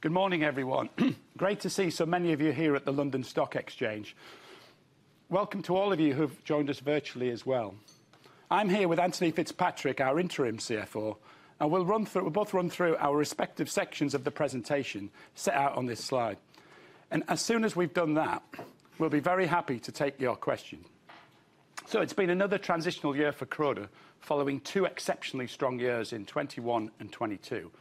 Good morning, everyone. Great to see so many of you here at the London Stock Exchange. Welcome to all of you who've joined us virtually as well. I'm here with Anthony Fitzpatrick, our interim CFO. We'll run through, we'll both run through our respective sections of the presentation set out on this slide, and as soon as we've done that, we'll be very happy to take your question. It's been another transitional year for Croda, following two exceptionally strong years in 2021 and 2022.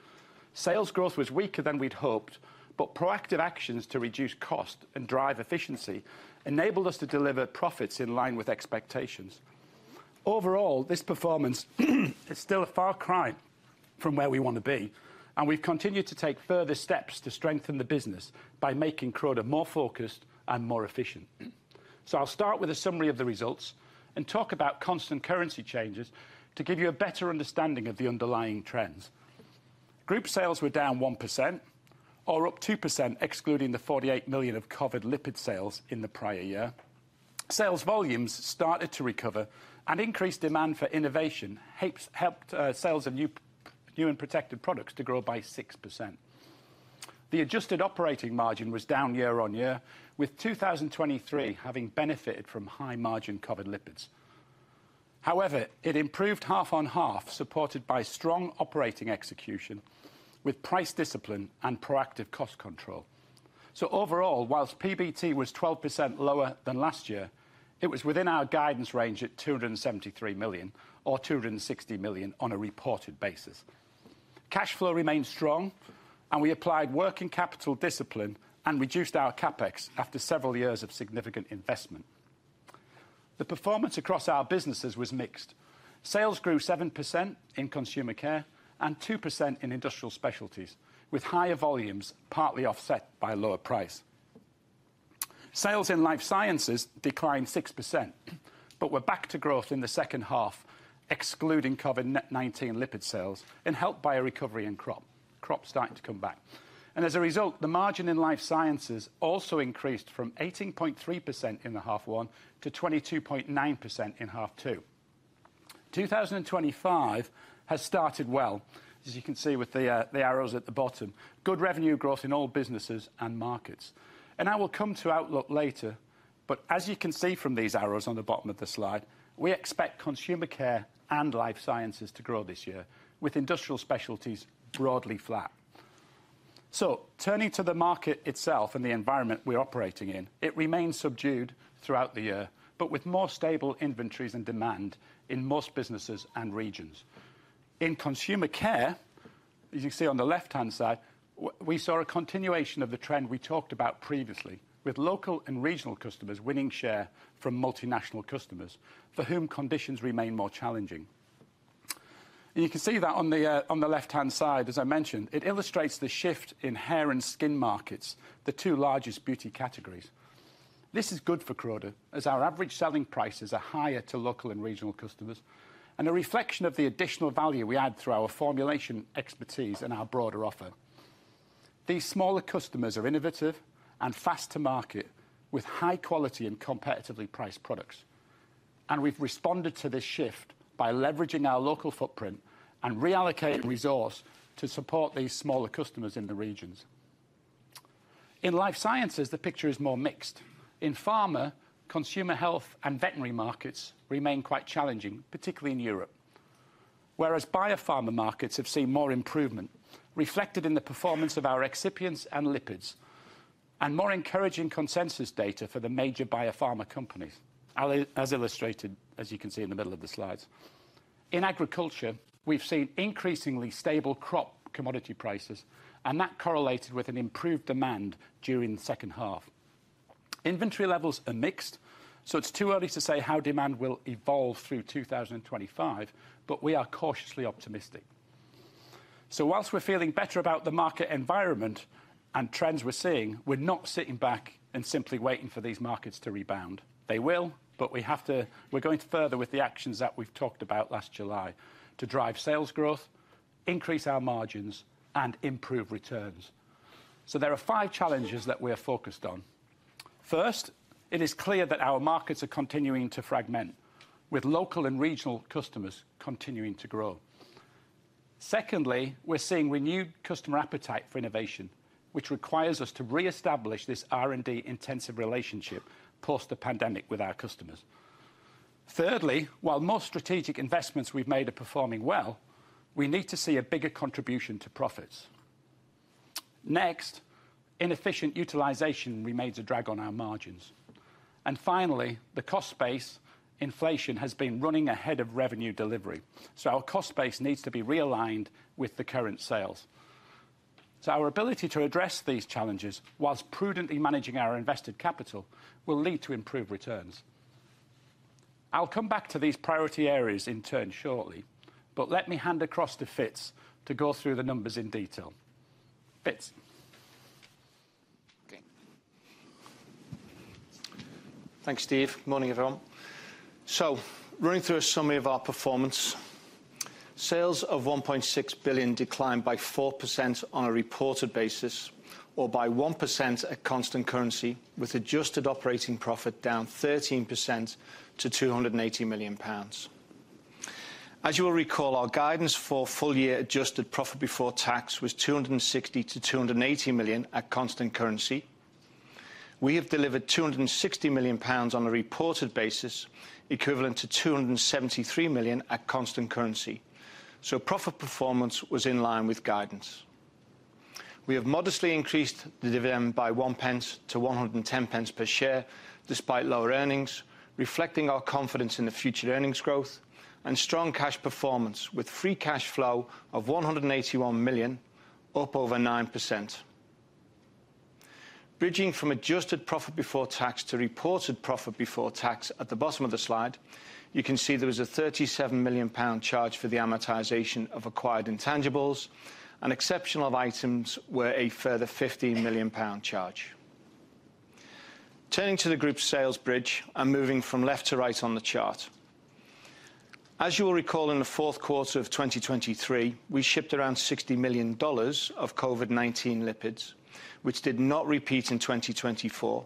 Sales growth was weaker than we'd hoped, but proactive actions to reduce cost and drive efficiency enabled us to deliver profits in line with expectations. Overall, this performance is still a far cry from where we want to be, and we've continued to take further steps to strengthen the business by making Croda more focused and more efficient. I'll start with a summary of the results and talk about constant currency changes to give you a better understanding of the underlying trends. Group sales were down 1% or up 2% excluding the 48 million of COVID lipid sales in the prior year. Sales volumes started to recover, and increased demand for innovation helped sales of new and protected products to grow by 6%. The adjusted operating margin was down year-on-year, with 2023 having benefited from high-margin COVID lipids. However, it improved half-on-half, supported by strong operating execution with price discipline and proactive cost control. Overall, whilst PBT was 12% lower than last year, it was within our guidance range at 273 million, or 260 million on a reported basis. Cash flow remained strong, and we applied working capital discipline and reduced our CapEx after several years of significant investment. The performance across our businesses was mixed. Sales grew 7% in Consumer Care and 2% in Industrial Specialties, with higher volumes partly offset by lower price. Sales in Life Sciences declined 6%, but were back to growth in the second-half, excluding COVID-19 lipid sales, and helped by a recovery in Crops starting to come back, and as a result, the margin in Life Sciences also increased from 18.3% in the H1 to 22.9% in H2. 2025 has started well, as you can see with the arrows at the bottom, good revenue growth in all businesses and markets, and I will come to outlook later, but as you can see from these arrows on the bottom of the slide, we expect Consumer Care and Life Sciences to grow this year, with Industrial Specialties broadly flat. So turning to the market itself and the environment we're operating in, it remained subdued throughout the year, but with more stable inventories and demand in most businesses and regions. In Consumer Care, as you can see on the left-hand side, we saw a continuation of the trend we talked about previously, with local and regional customers winning share from multinational customers, for whom conditions remain more challenging. And you can see that on the left-hand side, as I mentioned, it illustrates the shift in hair and skin markets, the two largest beauty categories. This is good for Croda, as our average selling prices are higher to local and regional customers, and a reflection of the additional value we add through our formulation expertise and our broader offer. These smaller customers are innovative and fast to market, with high-quality and competitively priced products. We’ve responded to this shift by leveraging our local footprint and reallocating resources to support these smaller customers in the regions. In Life Sciences, the picture is more mixed. In Pharma Consumer Health and veterinary markets remain quite challenging, particularly in Europe. Whereas biopharma markets have seen more improvement reflected in the performance of our excipients and lipids and more encouraging consensus data for the major biopharma companies, as illustrated, as you can see in the middle of the slides. In agriculture, we’ve seen increasingly stable Crop commodity prices, and that correlated with an improved demand during the second-half. Inventory levels are mixed, so it’s too early to say how demand will evolve through 2025, but we are cautiously optimistic. Whist we’re feeling better about the market environment and trends we’re seeing, we’re not sitting back and simply waiting for these markets to rebound. They will, but we have to - we're going further with the actions that we've talked about last July to drive sales growth, increase our margins, and improve returns. So there are five challenges that we are focused on. First, it is clear that our markets are continuing to fragment, with local and regional customers continuing to grow. Secondly, we're seeing renewed customer appetite for innovation, which requires us to reestablish this R&D-intensive relationship post the pandemic with our customers. Thirdly, while most strategic investments we've made are performing well, we need to see a bigger contribution to profits. Next, inefficient utilization remains a drag on our margins. And finally, the cost space inflation has been running ahead of revenue delivery, so our cost space needs to be realigned with the current sales. Our ability to address these challenges, whilst prudently managing our invested capital, will lead to improved returns. I'll come back to these priority areas in turn shortly, but let me hand across to Fitz to go through the numbers in detail. Fitz. Okay. Thanks, Steve. Good morning, everyone. So running through a summary of our performance, sales of 1.6 billion declined by 4% on a reported basis, or by 1% at constant currency, with adjusted operating profit down 13% to 280 million pounds. As you will recall, our guidance for full-year adjusted profit before tax was 260 to 280 million at constant currency. We have delivered 260 million pounds on a reported basis, equivalent to 273 million at constant currency. So profit performance was in line with guidance. We have modestly increased the dividend by one pence to 110 pence per share, despite lower earnings, reflecting our confidence in the future earnings growth and strong cash performance, with free cash flow of 181 million, up over 9%. Bridging from adjusted profit before tax to reported profit before tax, at the bottom of the slide, you can see there was a 37 million pound charge for the amortization of acquired intangibles, and exceptional items were a further 15 million pound charge. Turning to the Group sales bridge and moving from left to right on the chart. As you will recall, in the fourth quarter of 2023, we shipped around $60 million of COVID-19 lipids, which did not repeat in 2024,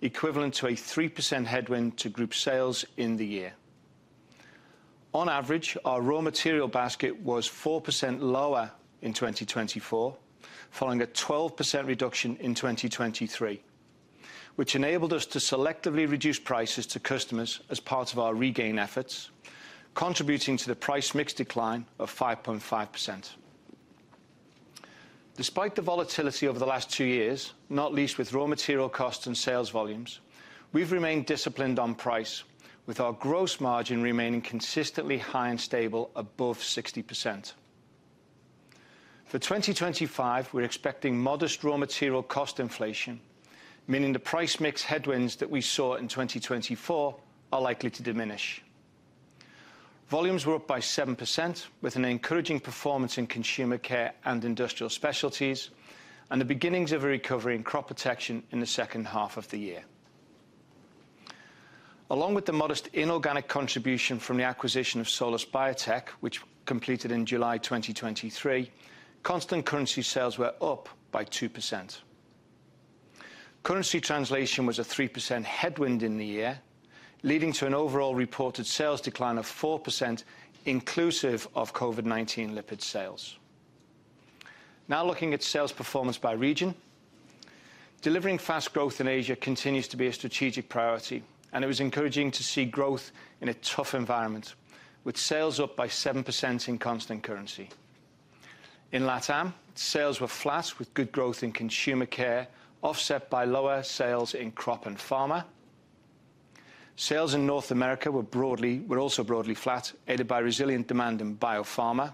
equivalent to a 3% headwind to Group sales in the year. On average, our raw material basket was 4% lower in 2024, following a 12% reduction in 2023, which enabled us to selectively reduce prices to customers as part of our regain efforts, contributing to the price mix decline of 5.5%. Despite the volatility over the last two years, not least with raw material costs and sales volumes, we've remained disciplined on price, with our gross margin remaining consistently high and stable above 60%. For 2025, we're expecting modest raw material cost inflation, meaning the price mix headwinds that we saw in 2024 are likely to diminish. Volumes were up by 7%, with an encouraging performance in Consumer Care and Industrial Specialties, and the beginnings of a recovery in Crop Protection in the second-half of the year. Along with the modest inorganic contribution from the acquisition of Solus Biotech, which completed in July 2023, constant currency sales were up by 2%. Currency translation was a 3% headwind in the year, leading to an overall reported sales decline of 4%, inclusive of COVID-19 lipid sales. Now looking at sales performance by region, delivering fast growth in Asia continues to be a strategic priority, and it was encouraging to see growth in a tough environment, with sales up by 7% in constant currency. In LATAM, sales were flat, with good growth in Consumer Care, offset by lower sales in Crop and Pharma. Sales in North America were also broadly flat, aided by resilient demand in biopharma.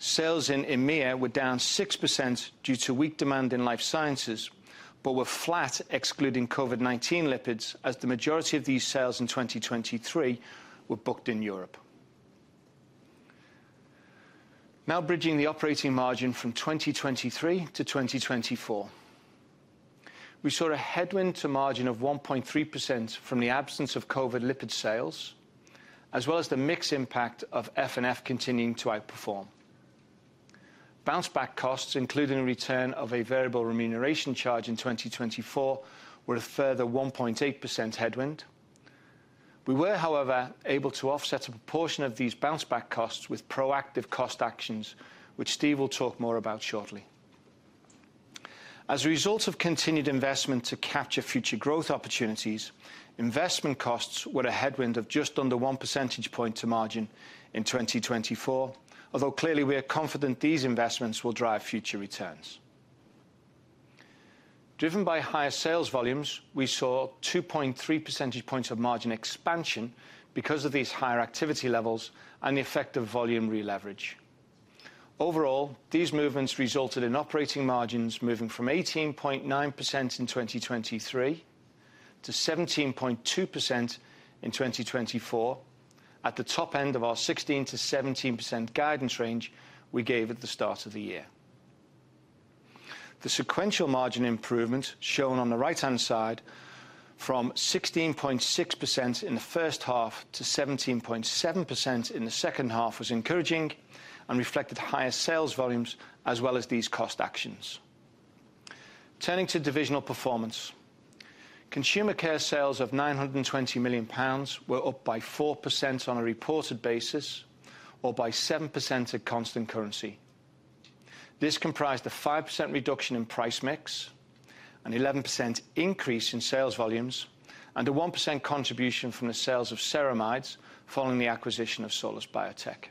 Sales in EMEA were down 6% due to weak demand in Life Sciences, but were flat, excluding COVID-19 lipids, as the majority of these sales in 2023 were booked in Europe. Now bridging the operating margin from 2023 to 2024. We saw a headwind to margin of 1.3% from the absence of COVID lipid sales, as well as the mixed impact of F&F continuing to outperform. Bounce-back costs, including a return of a variable remuneration charge in 2024, were a further 1.8% headwind. We were, however, able to offset a proportion of these bounce-back costs with proactive cost actions, which Steve will talk more about shortly. As a result of continued investment to capture future growth opportunities, investment costs were a headwind of just under 1 percentage point to margin in 2024, although clearly we are confident these investments will drive future returns. Driven by higher sales volumes, we saw 2.3 percentage points of margin expansion because of these higher activity levels and the effect of volume re-leverage. Overall, these movements resulted in operating margins moving from 18.9% in 2023 to 17.2% in 2024, at the top end of our 16%-17% guidance range we gave at the start of the year. The sequential margin improvement shown on the right-hand side from 16.6% in the first half to 17.7% in the second-half was encouraging and reflected higher sales volumes as well as these cost actions. Turning to divisional performance, Consumer Care sales of 920 million pounds were up by 4% on a reported basis, or by 7% at constant currency. This comprised a 5% reduction in price mix, an 11% increase in sales volumes, and a 1% contribution from the sales of Ceramides following the acquisition of Solus Biotech.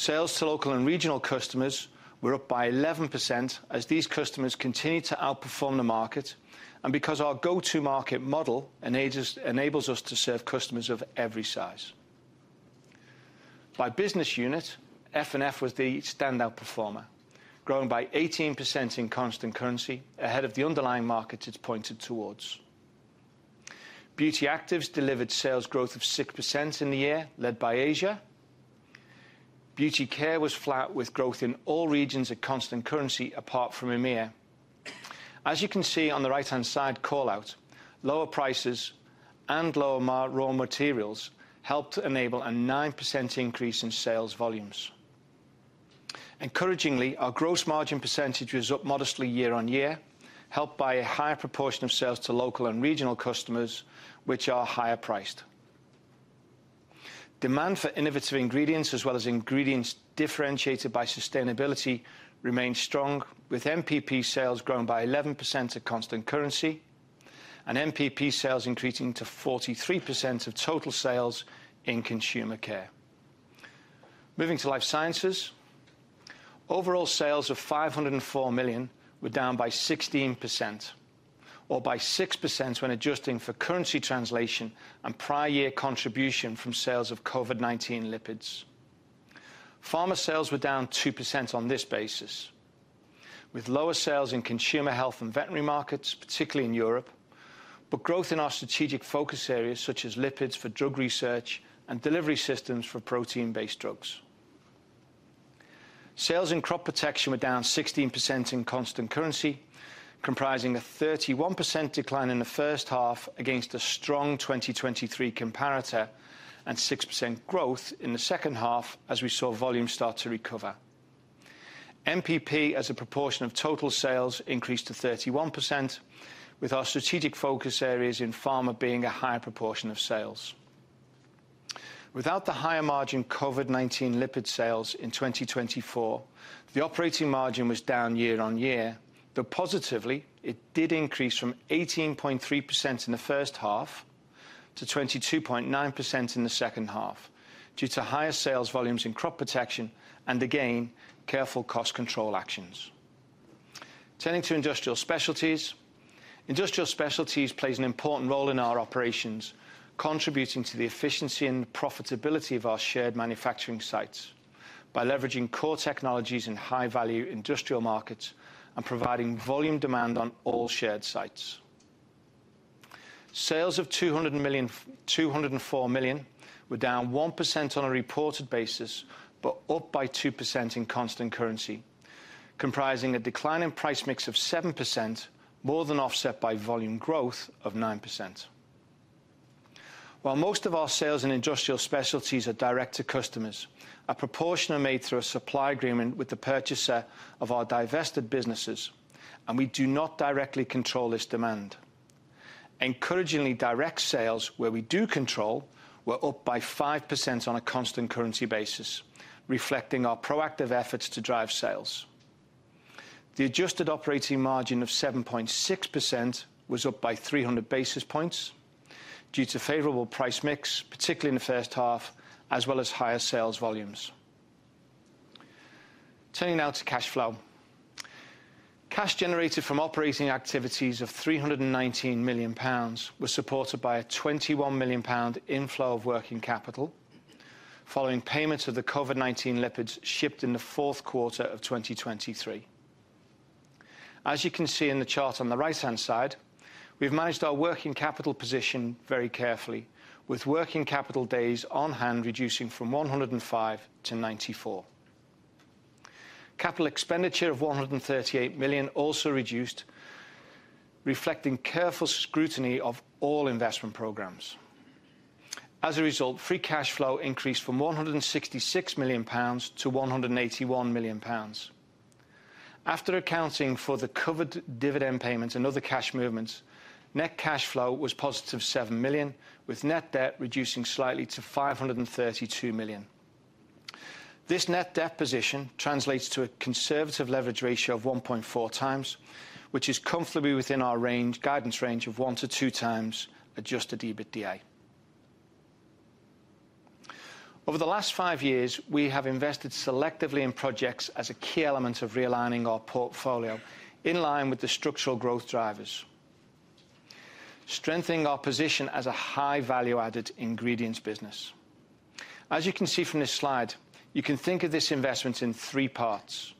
Sales to local and regional customers were up by 11% as these customers continued to outperform the market and because our go-to market model enables us to serve customers of every size. By business unit, F&F was the standout performer, growing by 18% in constant currency ahead of the underlying markets it's pointed towards. Beauty Actives delivered sales growth of 6% in the year, led by Asia. Beauty Care was flat, with growth in all regions at constant currency apart from EMEA. As you can see on the right-hand side callout, lower prices and lower raw materials helped to enable a 9% increase in sales volumes. Encouragingly, our gross margin percentage was up modestly year-on-year, helped by a higher proportion of sales to local and regional customers, which are higher priced. Demand for innovative ingredients, as well as ingredients differentiated by sustainability, remained strong, with NPP sales growing by 11% at constant currency and NPP sales increasing to 43% of total sales in Consumer Care. Moving to Life Sciences, overall sales of 504 million were down by 16%, or by 6% when adjusting for currency translation and prior year contribution from sales of COVID-19 lipids. Pharma sales were down 2% on this basis, with lower sales in Consumer Health and veterinary markets, particularly in Europe, but growth in our strategic focus areas such as lipids for drug research and delivery systems for protein-based drugs. Sales in Crop Protection were down 16% in constant currency, comprising a 31% decline in the first half against a strong 2023 comparator and 6% growth in the second-half as we saw volumes start to recover. NPP as a proportion of total sales increased to 31%, with our strategic focus areas in Pharma being a higher proportion of sales. Without the higher margin COVID-19 lipid sales in 2024, the operating margin was down year-on-year, though positively it did increase from 18.3% in the first half to 22.9% in the second-half due to higher sales volumes in Crop Protection and, again, careful cost control actions. Turning to Industrial Specialties, Industrial Specialties plays an important role in our operations, contributing to the efficiency and profitability of our shared manufacturing sites by leveraging core technologies in high-value industrial markets and providing volume demand on all shared sites. Sales of 204 million were down 1% on a reported basis, but up by 2% in constant currency, comprising a decline in price mix of 7%, more than offset by volume growth of 9%. While most of our sales in Industrial Specialties are direct to customers, a proportion are made through a supply agreement with the purchaser of our divested businesses, and we do not directly control this demand. Encouragingly, direct sales, where we do control, were up by 5% on a constant currency basis, reflecting our proactive efforts to drive sales. The adjusted operating margin of 7.6% was up by 300 basis points due to favorable price mix, particularly in the first half, as well as higher sales volumes. Turning now to cash flow. Cash generated from operating activities of 319 million pounds was supported by a 21 million pound inflow of working capital, following payments of the COVID-19 lipids shipped in the fourth quarter of 2023. As you can see in the chart on the right-hand side, we've managed our working capital position very carefully, with working capital days on hand reducing from 105 to 94. Capital expenditure of 138 million also reduced, reflecting careful scrutiny of all investment programs. As a result, free cash flow increased from 166 million-181 million pounds. After accounting for the covered dividend payments and other cash movements, net cash flow was positive 7 million, with net debt reducing slightly to 532 million. This net debt position translates to a conservative leverage ratio of 1.4x, which is comfortably within our guidance range of 1x to 2x adjusted EBITDA. Over the last five years, we have invested selectively in projects as a key element of realigning our portfolio in line with the structural growth drivers, strengthening our position as a high-value-added ingredients business. As you can see from this slide, you can think of this investment in three parts: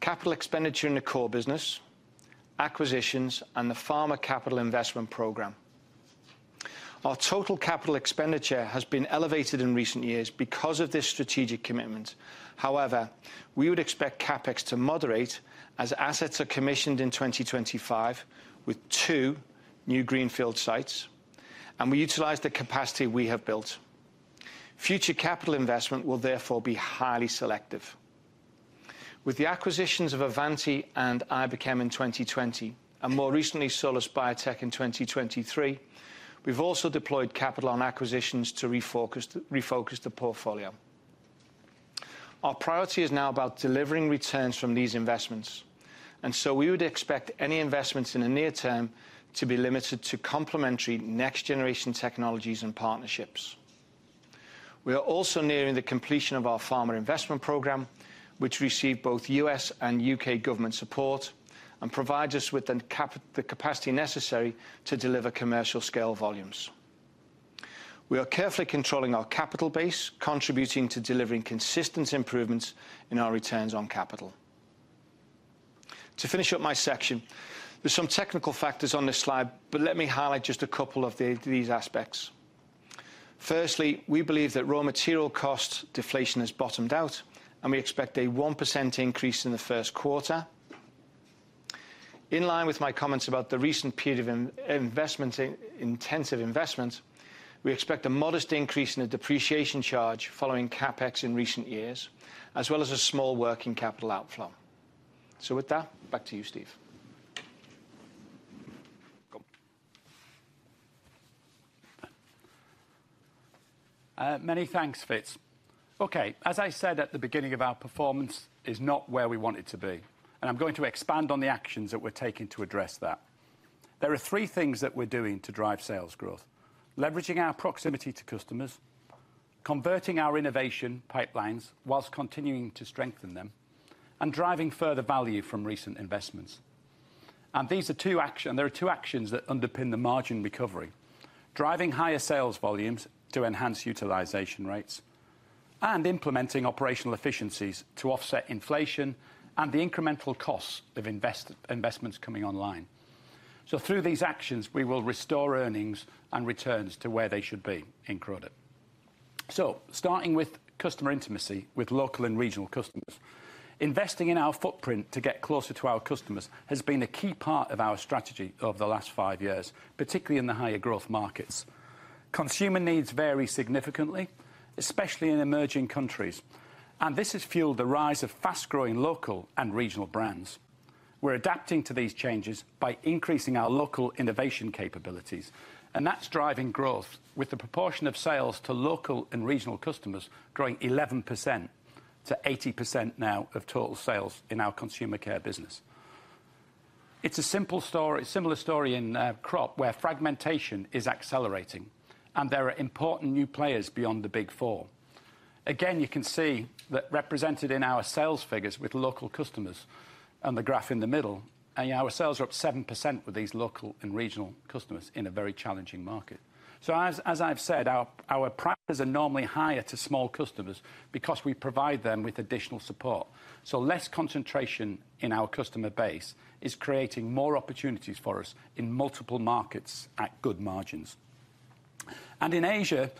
capital expenditure in the core business, acquisitions, and the Pharma capital investment program. Our total capital expenditure has been elevated in recent years because of this strategic commitment. However, we would expect CapEx to moderate as assets are commissioned in 2025 with two new greenfield sites, and we utilize the capacity we have built. Future capital investment will therefore be highly selective. With the acquisitions of Avanti and Iberchem in 2020, and more recently Solus Biotech in 2023, we've also deployed capital on acquisitions to refocus the portfolio. Our priority is now about delivering returns from these investments, and so we would expect any investments in the near term to be limited to complementary next-generation technologies and partnerships. We are also nearing the completion of our Pharma investment program, which received both U.S. and U.K. government support and provides us with the capacity necessary to deliver commercial-scale volumes. We are carefully controlling our capital base, contributing to delivering consistent improvements in our returns on capital. To finish up my section, there are some technical factors on this slide, but let me highlight just a couple of these aspects. Firstly, we believe that raw material cost deflation has bottomed out, and we expect a 1% increase in the first quarter. In line with my comments about the recent period of intensive investment, we expect a modest increase in the depreciation charge following CapEx in recent years, as well as a small working capital outflow. So with that, back to you, Steve. Many thanks, Fitz. Okay, as I said at the beginning, our performance is not where we want it to be, and I'm going to expand on the actions that we're taking to address that. There are three things that we're doing to drive sales growth: leveraging our proximity to customers, converting our innovation pipelines while continuing to strengthen them, and driving further value from recent investments. And these are two actions, there are two actions that underpin the margin recovery. Driving higher sales volumes to enhance utilization rates and implementing operational efficiencies to offset inflation and the incremental costs of investments coming online. Through these actions, we will restore earnings and returns to where they should be in Croda. So starting with customer intimacy with local and regional customers, investing in our footprint to get closer to our customers has been a key part of our strategy over the last five years, particularly in the higher growth markets. Consumer needs vary significantly, especially in emerging countries, and this has fueled the rise of fast-growing local and regional brands. We're adapting to these changes by increasing our local innovation capabilities, and that's driving growth, with the proportion of sales to local and regional customers growing 11%-80% now of total sales in our Consumer Care business. It's a simple story, a similar story in Crop, where fragmentation is accelerating, and there are important new players beyond the Big 4. Again, you can see that represented in our sales figures with local customers and the graph in the middle, and our sales are up 7% with these local and regional customers in a very challenging market. So as I've said, our prices are normally higher to small customers because we provide them with additional support. So less concentration in our customer base is creating more opportunities for us in multiple markets at good margins. In Asia,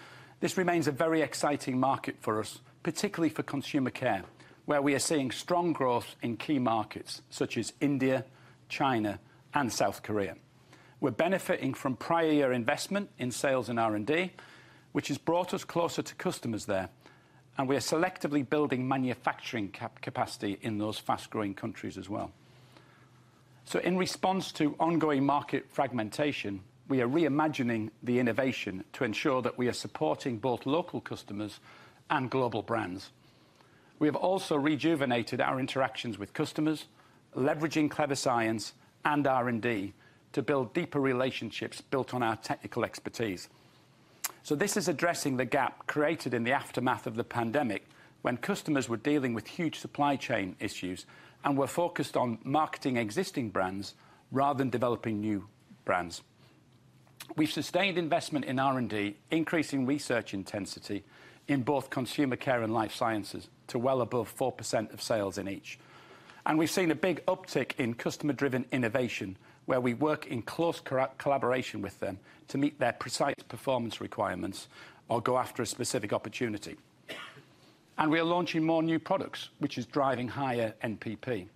this remains a very exciting market for us, particularly for Consumer Care, where we are seeing strong growth in key markets such as India, China, and South Korea. We're benefiting from prior year investment in sales and R&D, which has brought us closer to customers there, and we are selectively building manufacturing capacity in those fast-growing countries as well. In response to ongoing market fragmentation, we are reimagining the innovation to ensure that we are supporting both local customers and global brands. We have also rejuvenated our interactions with customers, leveraging Clever Science and R&D to build deeper relationships built on our technical expertise. This is addressing the gap created in the aftermath of the pandemic when customers were dealing with huge supply chain issues and were focused on marketing existing brands rather than developing new brands. We've sustained investment in R&D, increasing research intensity in both Consumer Care and Life Sciences to well above 4% of sales in each. We've seen a big uptick in customer-driven innovation, where we work in close collaboration with them to meet their precise performance requirements or go after a specific opportunity. And we are launching more new products, which is driving higher NPP.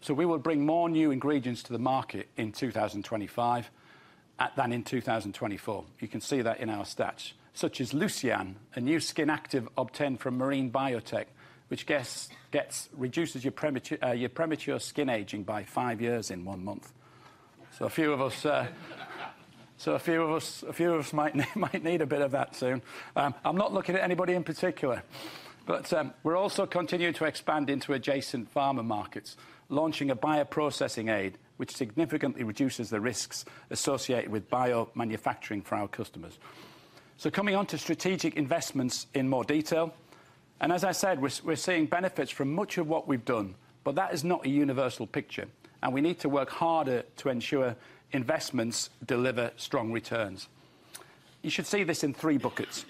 So we will bring more new ingredients to the market in 2025 than in 2024. You can see that in our stats, such as Luceane, a new skin active obtained from marine biotech, which reduces your premature skin aging by five years in one month. So a few of us might need a bit of that soon. I'm not looking at anybody in particular, but we're also continuing to expand into adjacent Pharma markets, launching a bioprocessing aid, which significantly reduces the risks associated with biomanufacturing for our customers, so coming on to strategic investments in more detail, and as I said, we're seeing benefits from much of what we've done, but that is not a universal picture, and we need to work harder to ensure investments deliver strong returns. You should see this in three buckets.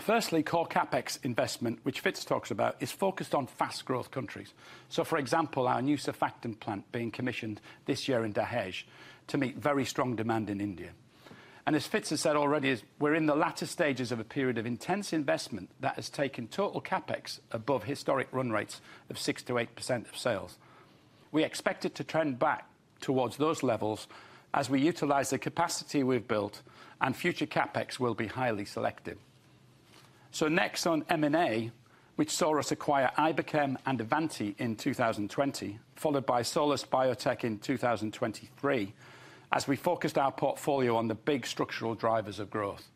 Firstly, core CapEx investment, which Fitz talks about, is focused on fast-growth countries. So for example, our new Cefactam plant being commissioned this year in Dahej to meet very strong demand in India, and as Fitz has said already, we're in the latter stages of a period of intense investment that has taken total CapEx above historic run rates of 6%-8% of sales. We expect it to trend back towards those levels as we utilize the capacity we've built, and future CapEx will be highly selective. Next on M&A, which saw us acquire Iberchem and Avanti in 2020, followed by Solus Biotech in 2023, as we focused our portfolio on the big structural drivers of growth.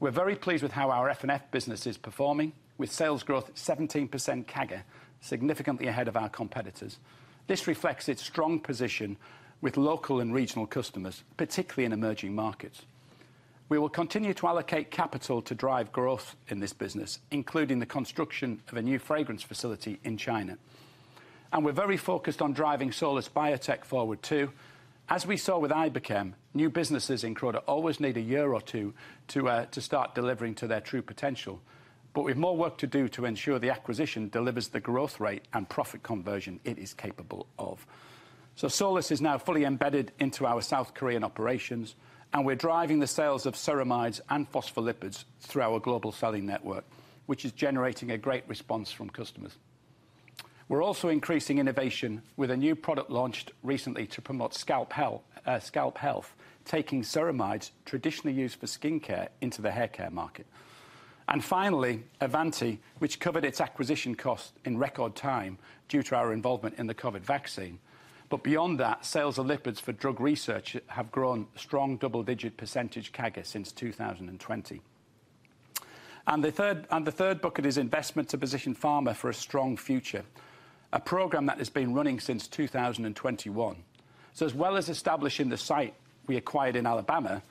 We're very pleased with how our F&F business is performing, with sales growth 17% CAGR, significantly ahead of our competitors. This reflects its strong position with local and regional customers, particularly in emerging markets. We will continue to allocate capital to drive growth in this business, including the construction of a new fragrance facility in China, and we're very focused on driving Solus Biotech forward too. As we saw with Iberchem, new businesses in Croda always need a year or two to start delivering to their true potential, but we have more work to do to ensure the acquisition delivers the growth rate and profit conversion it is capable of. So Solus is now fully embedded into our South Korean operations, and we're driving the sales of ceramides and phospholipids through our global selling network, which is generating a great response from customers. We're also increasing innovation with a new product launched recently to promote scalp health, taking ceramides traditionally used for skincare into the haircare market. And finally, Avanti, which covered its acquisition cost in record time due to our involvement in the COVID vaccine. But beyond that, sales of lipids for drug research have grown strong double-digit % CAGR since 2020. And the third bucket is investment to position Pharma for a strong future, a program that has been running since 2021. So as well as establishing the site we acquired in Alabama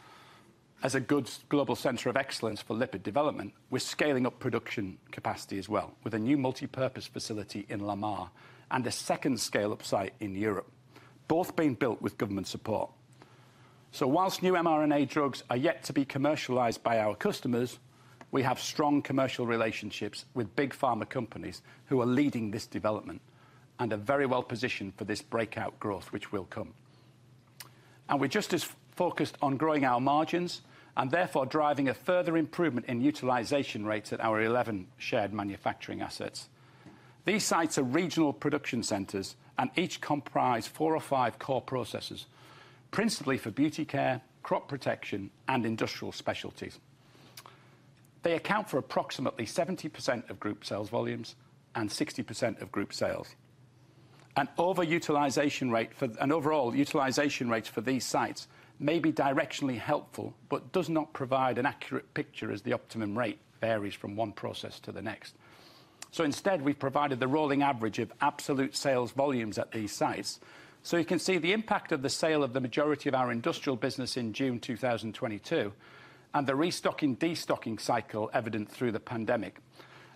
as a good global center of excellence for lipid development, we're scaling up production capacity as well with a new multipurpose facility in Lamar and a second scale-up site in Europe, both being built with government support. So while new mRNA drugs are yet to be commercialized by our customers, we have strong commercial relationships with big Pharma companies who are leading this development and are very well positioned for this breakout growth, which will come. And we're just as focused on growing our margins and therefore driving a further improvement in utilization rates at our 11 shared manufacturing assets. These sites are regional production centers, and each comprises four or five core processes, principally for Beauty Care, Crop Protection and Industrial Specialties. They account for approximately 70% of Group sales volumes and 60% of Group sales, and overall utilization rates for these sites may be directionally helpful, but does not provide an accurate picture as the optimum rate varies from one process to the next, so instead, we've provided the rolling average of absolute sales volumes at these sites. You can see the impact of the sale of the majority of our industrial business in June 2022 and the restocking/de-stocking cycle evident through the pandemic,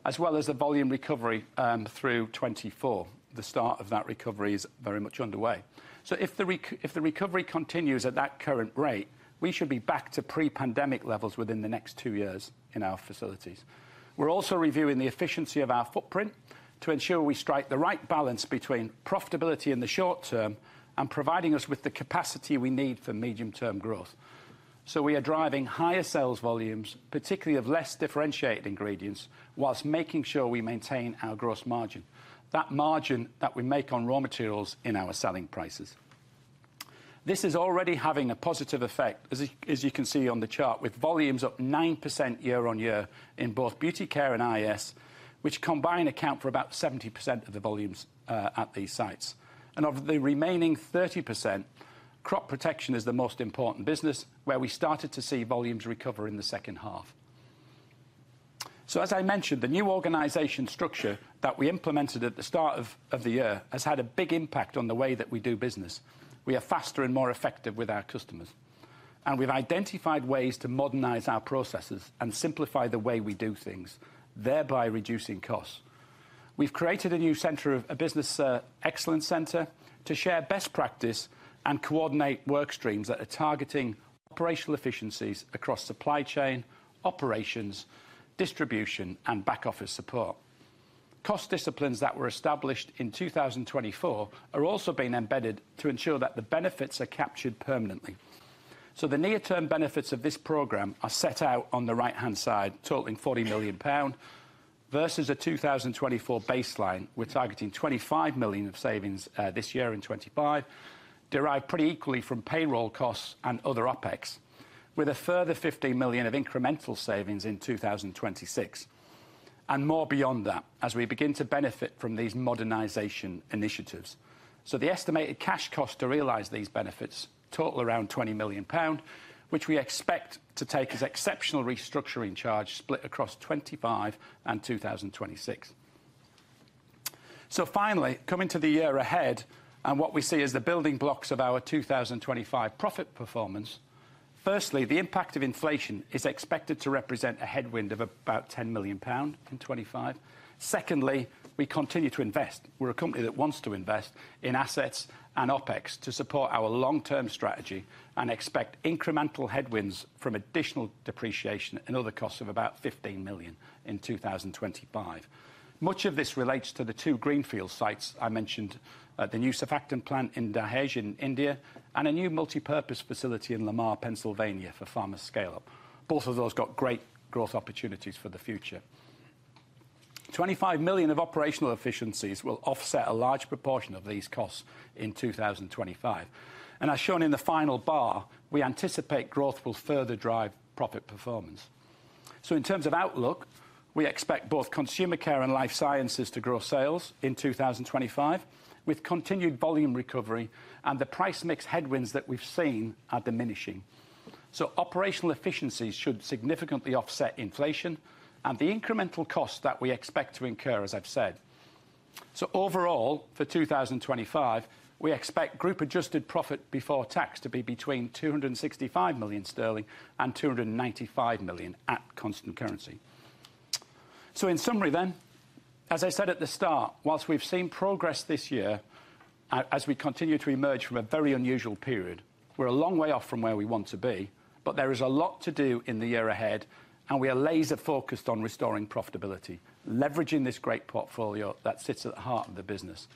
as well as the volume recovery through 2024. The start of that recovery is very much underway. So if the recovery continues at that current rate, we should be back to pre-pandemic levels within the next two years in our facilities. We're also reviewing the efficiency of our footprint to ensure we strike the right balance between profitability in the short term and providing us with the capacity we need for medium-term growth. So we are driving higher sales volumes, particularly of less differentiated ingredients, whilst making sure we maintain our gross margin, that margin that we make on raw materials in our selling prices. This is already having a positive effect, as you can see on the chart, with volumes up 9% year-on-year in both Beauty Care and IS, which combined account for about 70% of the volumes at these sites. And of the remaining 30%, Crop Protection is the most important business, where we started to see volumes recover in the second-half. So as I mentioned, the new organization structure that we implemented at the start of the year has had a big impact on the way that we do business. We are faster and more effective with our customers, and we've identified ways to modernize our processes and simplify the way we do things, thereby reducing costs. We've created a new center, a business excellence center, to share best practice and coordinate work streams that are targeting operational efficiencies across supply chain, operations, distribution, and back-office support. Cost disciplines that were established in 2024 are also being embedded to ensure that the benefits are captured permanently. So the near-term benefits of this program are set out on the right-hand side, totaling 40 million pound versus a 2024 baseline. We're targeting 25 million of savings this year and 2025, derived pretty equally from payroll costs and other OpEx, with a further 15 million of incremental savings in 2026, and more beyond that as we begin to benefit from these modernization initiatives. So the estimated cash cost to realize these benefits totals around 20 million pound, which we expect to take as exceptional restructuring charge split across 2025 and 2026. So finally, coming to the year ahead and what we see as the building blocks of our 2025 profit performance, firstly, the impact of inflation is expected to represent a headwind of about 10 million pound in 2025. Secondly, we continue to invest. We're a company that wants to invest in assets and OpEx to support our long-term strategy and expect incremental headwinds from additional depreciation and other costs of about 15 million in 2025. Much of this relates to the two greenfield sites I mentioned, the new Cefactam plant in Dahej in India and a new multipurpose facility in Lamar, Pennsylvania, for Pharma scale-up. Both of those got great growth opportunities for the future. 25 million of operational efficiencies will offset a large proportion of these costs in 2025, and as shown in the final bar, we anticipate growth will further drive profit performance, so in terms of outlook, we expect both Consumer Care and Life Sciences to grow sales in 2025 with continued volume recovery and the price mix headwinds that we've seen are diminishing, so operational efficiencies should significantly offset inflation and the incremental costs that we expect to incur, as I've said, so overall, for 2025, we expect group-adjusted profit before tax to be between 265 million sterling and 295 million at constant currency. So in summary then, as I said at the start, while we've seen progress this year as we continue to emerge from a very unusual period, we're a long way off from where we want to be, but there is a lot to do in the year ahead, and we are laser-focused on restoring profitability, leveraging this great portfolio that sits at the heart of the business.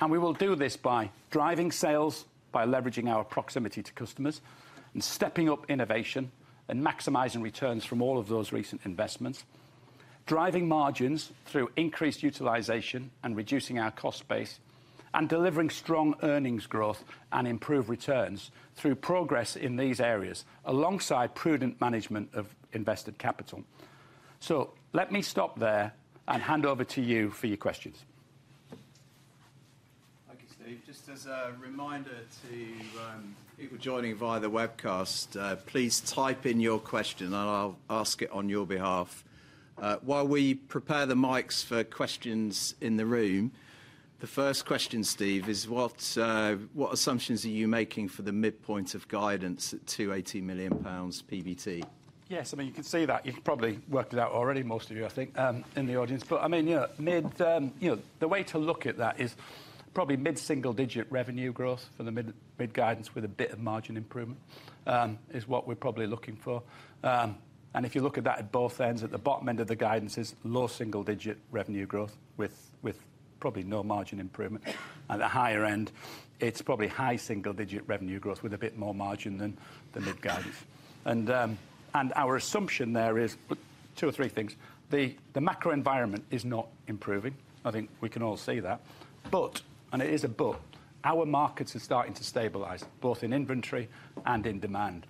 And we will do this by driving sales, by leveraging our proximity to customers, and stepping up innovation and maximizing returns from all of those recent investments, driving margins through increased utilization and reducing our cost base, and delivering strong earnings growth and improved returns through progress in these areas alongside prudent management of invested capital. So let me stop there and hand over to you for your questions. Thank you, Steve. Just as a reminder to people joining via the webcast, please type in your question, and I'll ask it on your behalf. While we prepare the mics for questions in the room, the first question, Steve, is what assumptions are you making for the midpoint of guidance at 280 million pounds PBT? Yes, I mean, you can see that. You've probably worked it out already, most of you, I think, in the audience. But I mean, yeah, mid- the way to look at that is probably mid-single-digit revenue growth for the mid-guidance with a bit of margin improvement is what we're probably looking for. And if you look at that at both ends, at the bottom end of the guidance is low single-digit revenue growth with probably no margin improvement. At the higher end, it's probably high single-digit revenue growth with a bit more margin than mid-guidance. Our assumption there is two or three things. The macro environment is not improving. I think we can all see that. But - and it is a but - our markets are starting to stabilize both in inventory and in demand.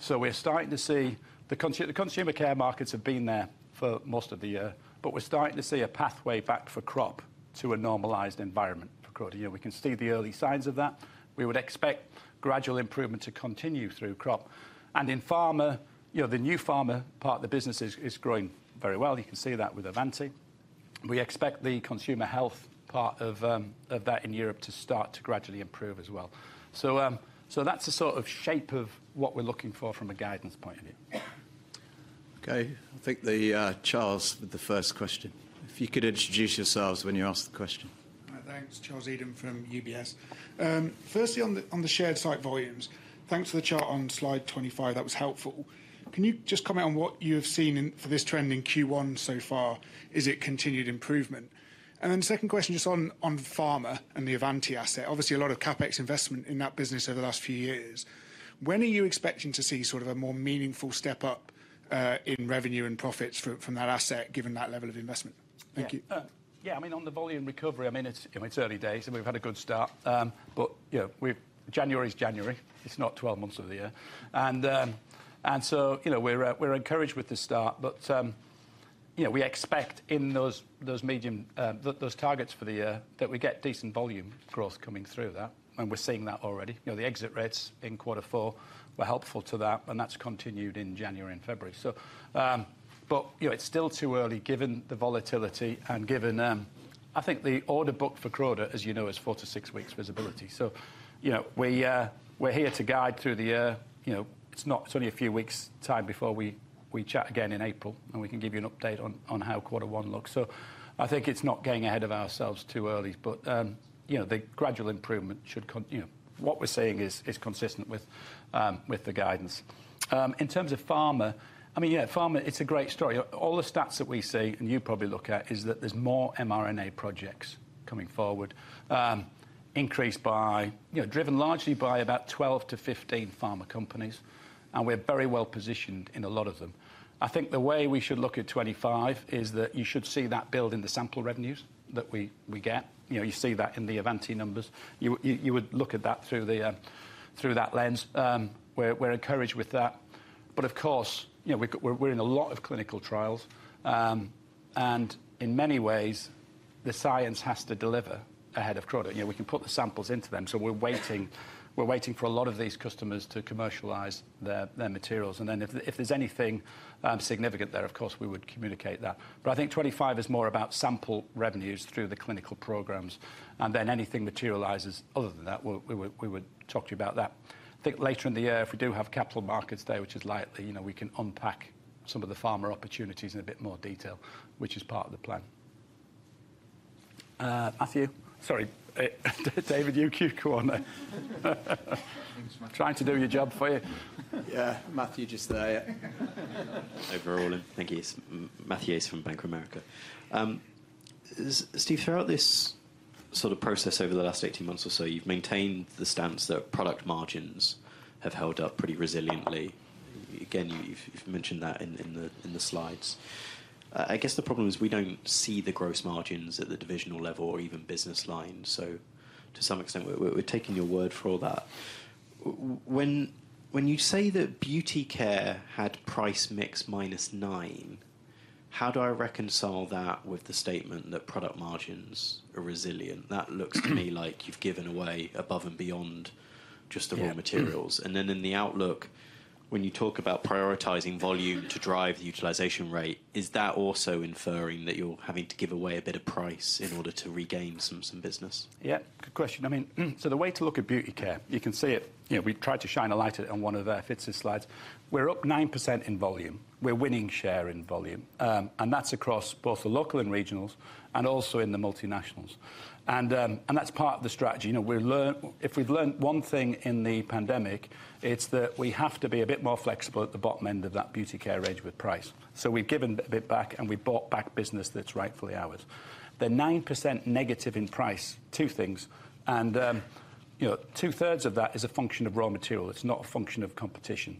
So we're starting to see the Consumer Care markets have been there for most of the year, but we're starting to see a pathway back for Crop to a normalized environment for Croda. We can see the early signs of that. We would expect gradual improvement to continue through crop. And in Pharma, the new pharma part of the business is growing very well. You can see that with Avanti. We expect the Consumer Health part of that in Europe to start to gradually improve as well. So that's the sort of shape of what we're looking for from a guidance point of view. Okay. I think it's Charles with the first question, if you could introduce yourselves when you ask the question. Thanks. Charles Eden from UBS. Firstly, on the sheer size volumes, thanks for the chart on slide 25. That was helpful. Can you just comment on what you have seen for this trend in Q1 so far? Is it continued improvement? And then the second question, just on Pharma and the Avanti asset, obviously a lot of CapEx investment in that business over the last few years. When are you expecting to see sort of a more meaningful step up in revenue and profits from that asset, given that level of investment? Thank you. Yeah, I mean, on the volume recovery, I mean, it's early days, and we've had a good start. But January is January. It's not 12 months of the year. So we're encouraged with the start, but we expect in those medium targets for the year that we get decent volume growth coming through that. And we're seeing that already. The exit rates in quarter four were helpful to that, and that's continued in January and February. But it's still too early given the volatility and given, I think, the order book for Croda, as you know, is four to six weeks visibility. So we're here to guide through the year. It's only a few weeks' time before we chat again in April, and we can give you an update on how quarter one looks. So I think it's not getting ahead of ourselves too early, but the gradual improvement should. What we're seeing is consistent with the guidance. In terms of Pharma, I mean, yeah, Pharma, it's a great story. All the stats that we see, and you probably look at, is that there's more mRNA projects coming forward, increased by, driven largely by about 12-15 Pharma companies, and we're very well positioned in a lot of them. I think the way we should look at 2025 is that you should see that build in the sample revenues that we get. You see that in the Avanti numbers. You would look at that through that lens. We're encouraged with that. But of course, we're in a lot of clinical trials, and in many ways, the science has to deliver ahead of Croda. We can put the samples into them. So we're waiting for a lot of these customers to commercialize their materials. And then if there's anything significant there, of course, we would communicate that. But I think 2025 is more about sample revenues through the clinical programs. And then if anything materializes other than that, we would talk to you about that. I think later in the year, if we do have Capital Markets Day, which is likely, we can unpack some of the Pharma opportunities in a bit more detail, which is part of the plan. Matthew? Sorry. David, you keep going there. Trying to do your job for you. Yeah, Matthew just there. Hi everyone. Thank you. Matthew Yates from Bank of America. Steve, throughout this sort of process over the last 18 months or so, you've maintained the stance that product margins have held up pretty resiliently. Again, you've mentioned that in the slides. I guess the problem is we don't see the gross margins at the divisional level or even business line. So to some extent, we're taking your word for all that. When you say that Beauty Care had price mix -9%, how do I reconcile that with the statement that product margins are resilient? That looks to me like you've given away above and beyond just the raw materials. And then in the outlook, when you talk about prioritizing volume to drive the utilization rate, is that also inferring that you're having to give away a bit of price in order to regain some business? Yeah, good question. I mean, so the way to look at Beauty Care, you can see it. We tried to shine a light on one of Fitz's slides. We're up 9% in volume. We're winning share in volume. And that's across both the local and regionals and also in the multinationals. And that's part of the strategy. If we've learned one thing in the pandemic, it's that we have to be a bit more flexible at the bottom end of that Beauty Care range with price. So we've given a bit back, and we bought back business that's rightfully ours. They're 9% negative in price, two things. And two-thirds of that is a function of raw material. It's not a function of competition.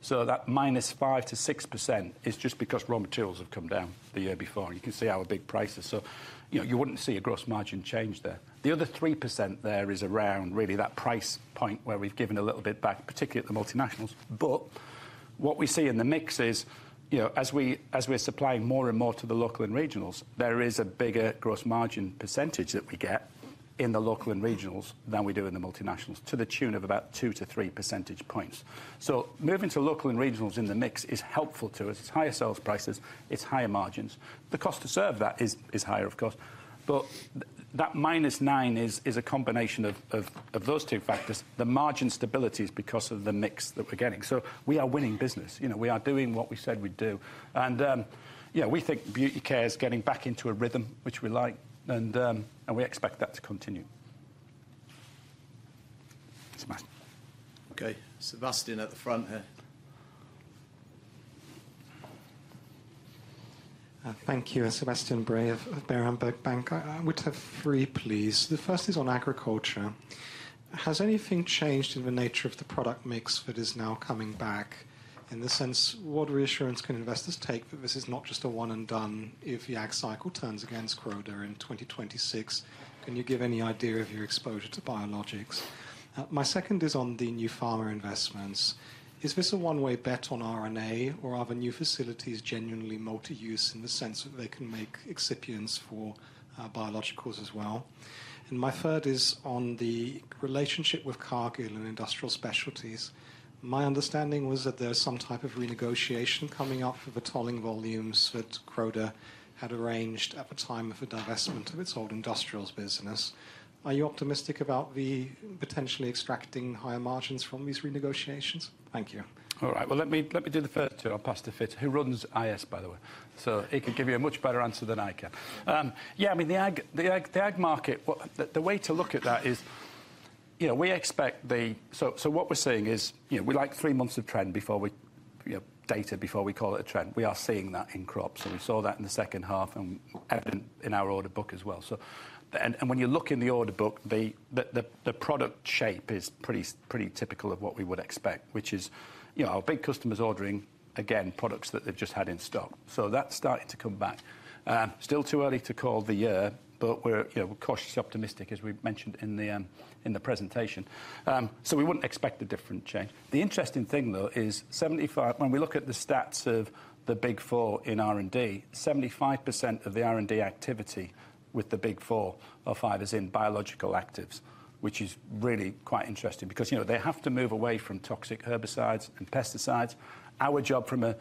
So that minus 5-6% is just because raw materials have come down the year before. You can see our big prices. So you wouldn't see a gross margin change there. The other 3% there is around really that price point where we've given a little bit back, particularly at the multinationals. But what we see in the mix is, as we're supplying more and more to the local and regionals, there is a bigger gross margin percentage that we get in the local and regionals than we do in the multinationals to the tune of about two to three percentage points. So moving to local and regionals in the mix is helpful to us. It's higher sales prices. It's higher margins. The cost to serve that is higher, of course. But that minus nine is a combination of those two factors. The margin stability is because of the mix that we're getting. So we are winning business. We are doing what we said we'd do. And we think Beauty Care is getting back into a rhythm, which we like, and we expect that to continue. Okay. Sebastian at the front here. Thank you. Sebastian Bray of Berenberg Bank. I would have three, please. The first is on agriculture. Has anything changed in the nature of the product mix that is now coming back? In the sense, what reassurance can investors take that this is not just a one-and-done if the Ag cycle turns against Croda in 2026? Can you give any idea of your exposure to biologics? My second is on the new Pharma investments. Is this a one-way bet on RNA or are the new facilities genuinely multi-use in the sense that they can make excipients for biologicals as well? And my third is on the relationship with Cargill and industrial specialties. My understanding was that there's some type of renegotiation coming up for the tolling volumes that Croda had arranged at the time of the divestment of its old industrials business. Are you optimistic about potentially extracting higher margins from these renegotiations? Thank you. All right. Well, let me do the first two. I'll pass to Fitz, who runs IS, by the way. So he can give you a much better answer than I can. Yeah, I mean, the ag market, the way to look at that is we expect the—so what we're seeing is we like three months of data before we call it a trend. We are seeing that in Crops. And we saw that in the second-half and in our order book as well. And when you look in the order book, the product shape is pretty typical of what we would expect, which is our big customers ordering, again, products that they've just had in stock. So that's starting to come back. Still too early to call the year, but we're cautiously optimistic, as we mentioned in the presentation. So we wouldn't expect a different change. The interesting thing, though, is when we look at the stats of the Big Four in R&D, 75% of the R&D activity with the Big 4 or 5 is in biological actives, which is really quite interesting because they have to move away from toxic herbicides and pesticides. Our job from a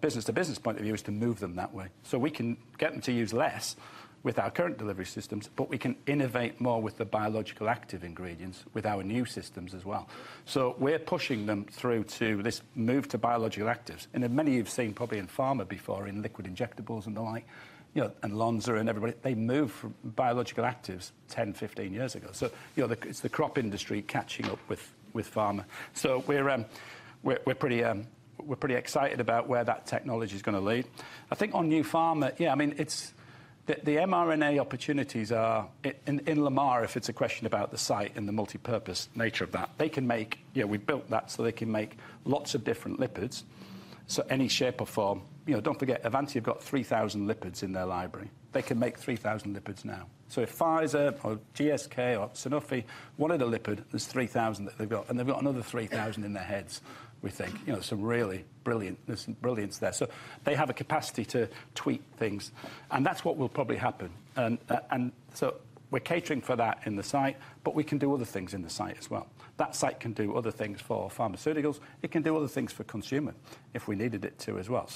business-to-business point of view is to move them that way. So we can get them to use less with our current delivery systems, but we can innovate more with the biological active ingredients with our new systems as well. So we're pushing them through to this move to biological actives. And many you've seen probably in Pharma before in liquid injectables and the like, and Lonza and everybody, they moved from biological actives 10, 15 years ago. So it's the crop industry catching up with Pharma. So we're pretty excited about where that technology is going to lead. I think on new Pharma, yeah, I mean, the mRNA opportunities are in Lamar, if it's a question about the site and the multi-purpose nature of that. They can make—we've built that so they can make lots of different lipids. So any shape or form, don't forget, Avanti, you've got 3,000 lipids in their library. They can make 3,000 lipids now. So if Pfizer or GSK or Sanofi, one of the lipid, there's 3,000 that they've got, and they've got another 3,000 in their heads, we think. There's some really brilliantness and brilliance there. So they have a capacity to tweak things. And that's what will probably happen. And so we're catering for that in the site, but we can do other things in the site as well. That site can do other things for Pharmaceuticals. It can do other things for consumer if we needed it to as well.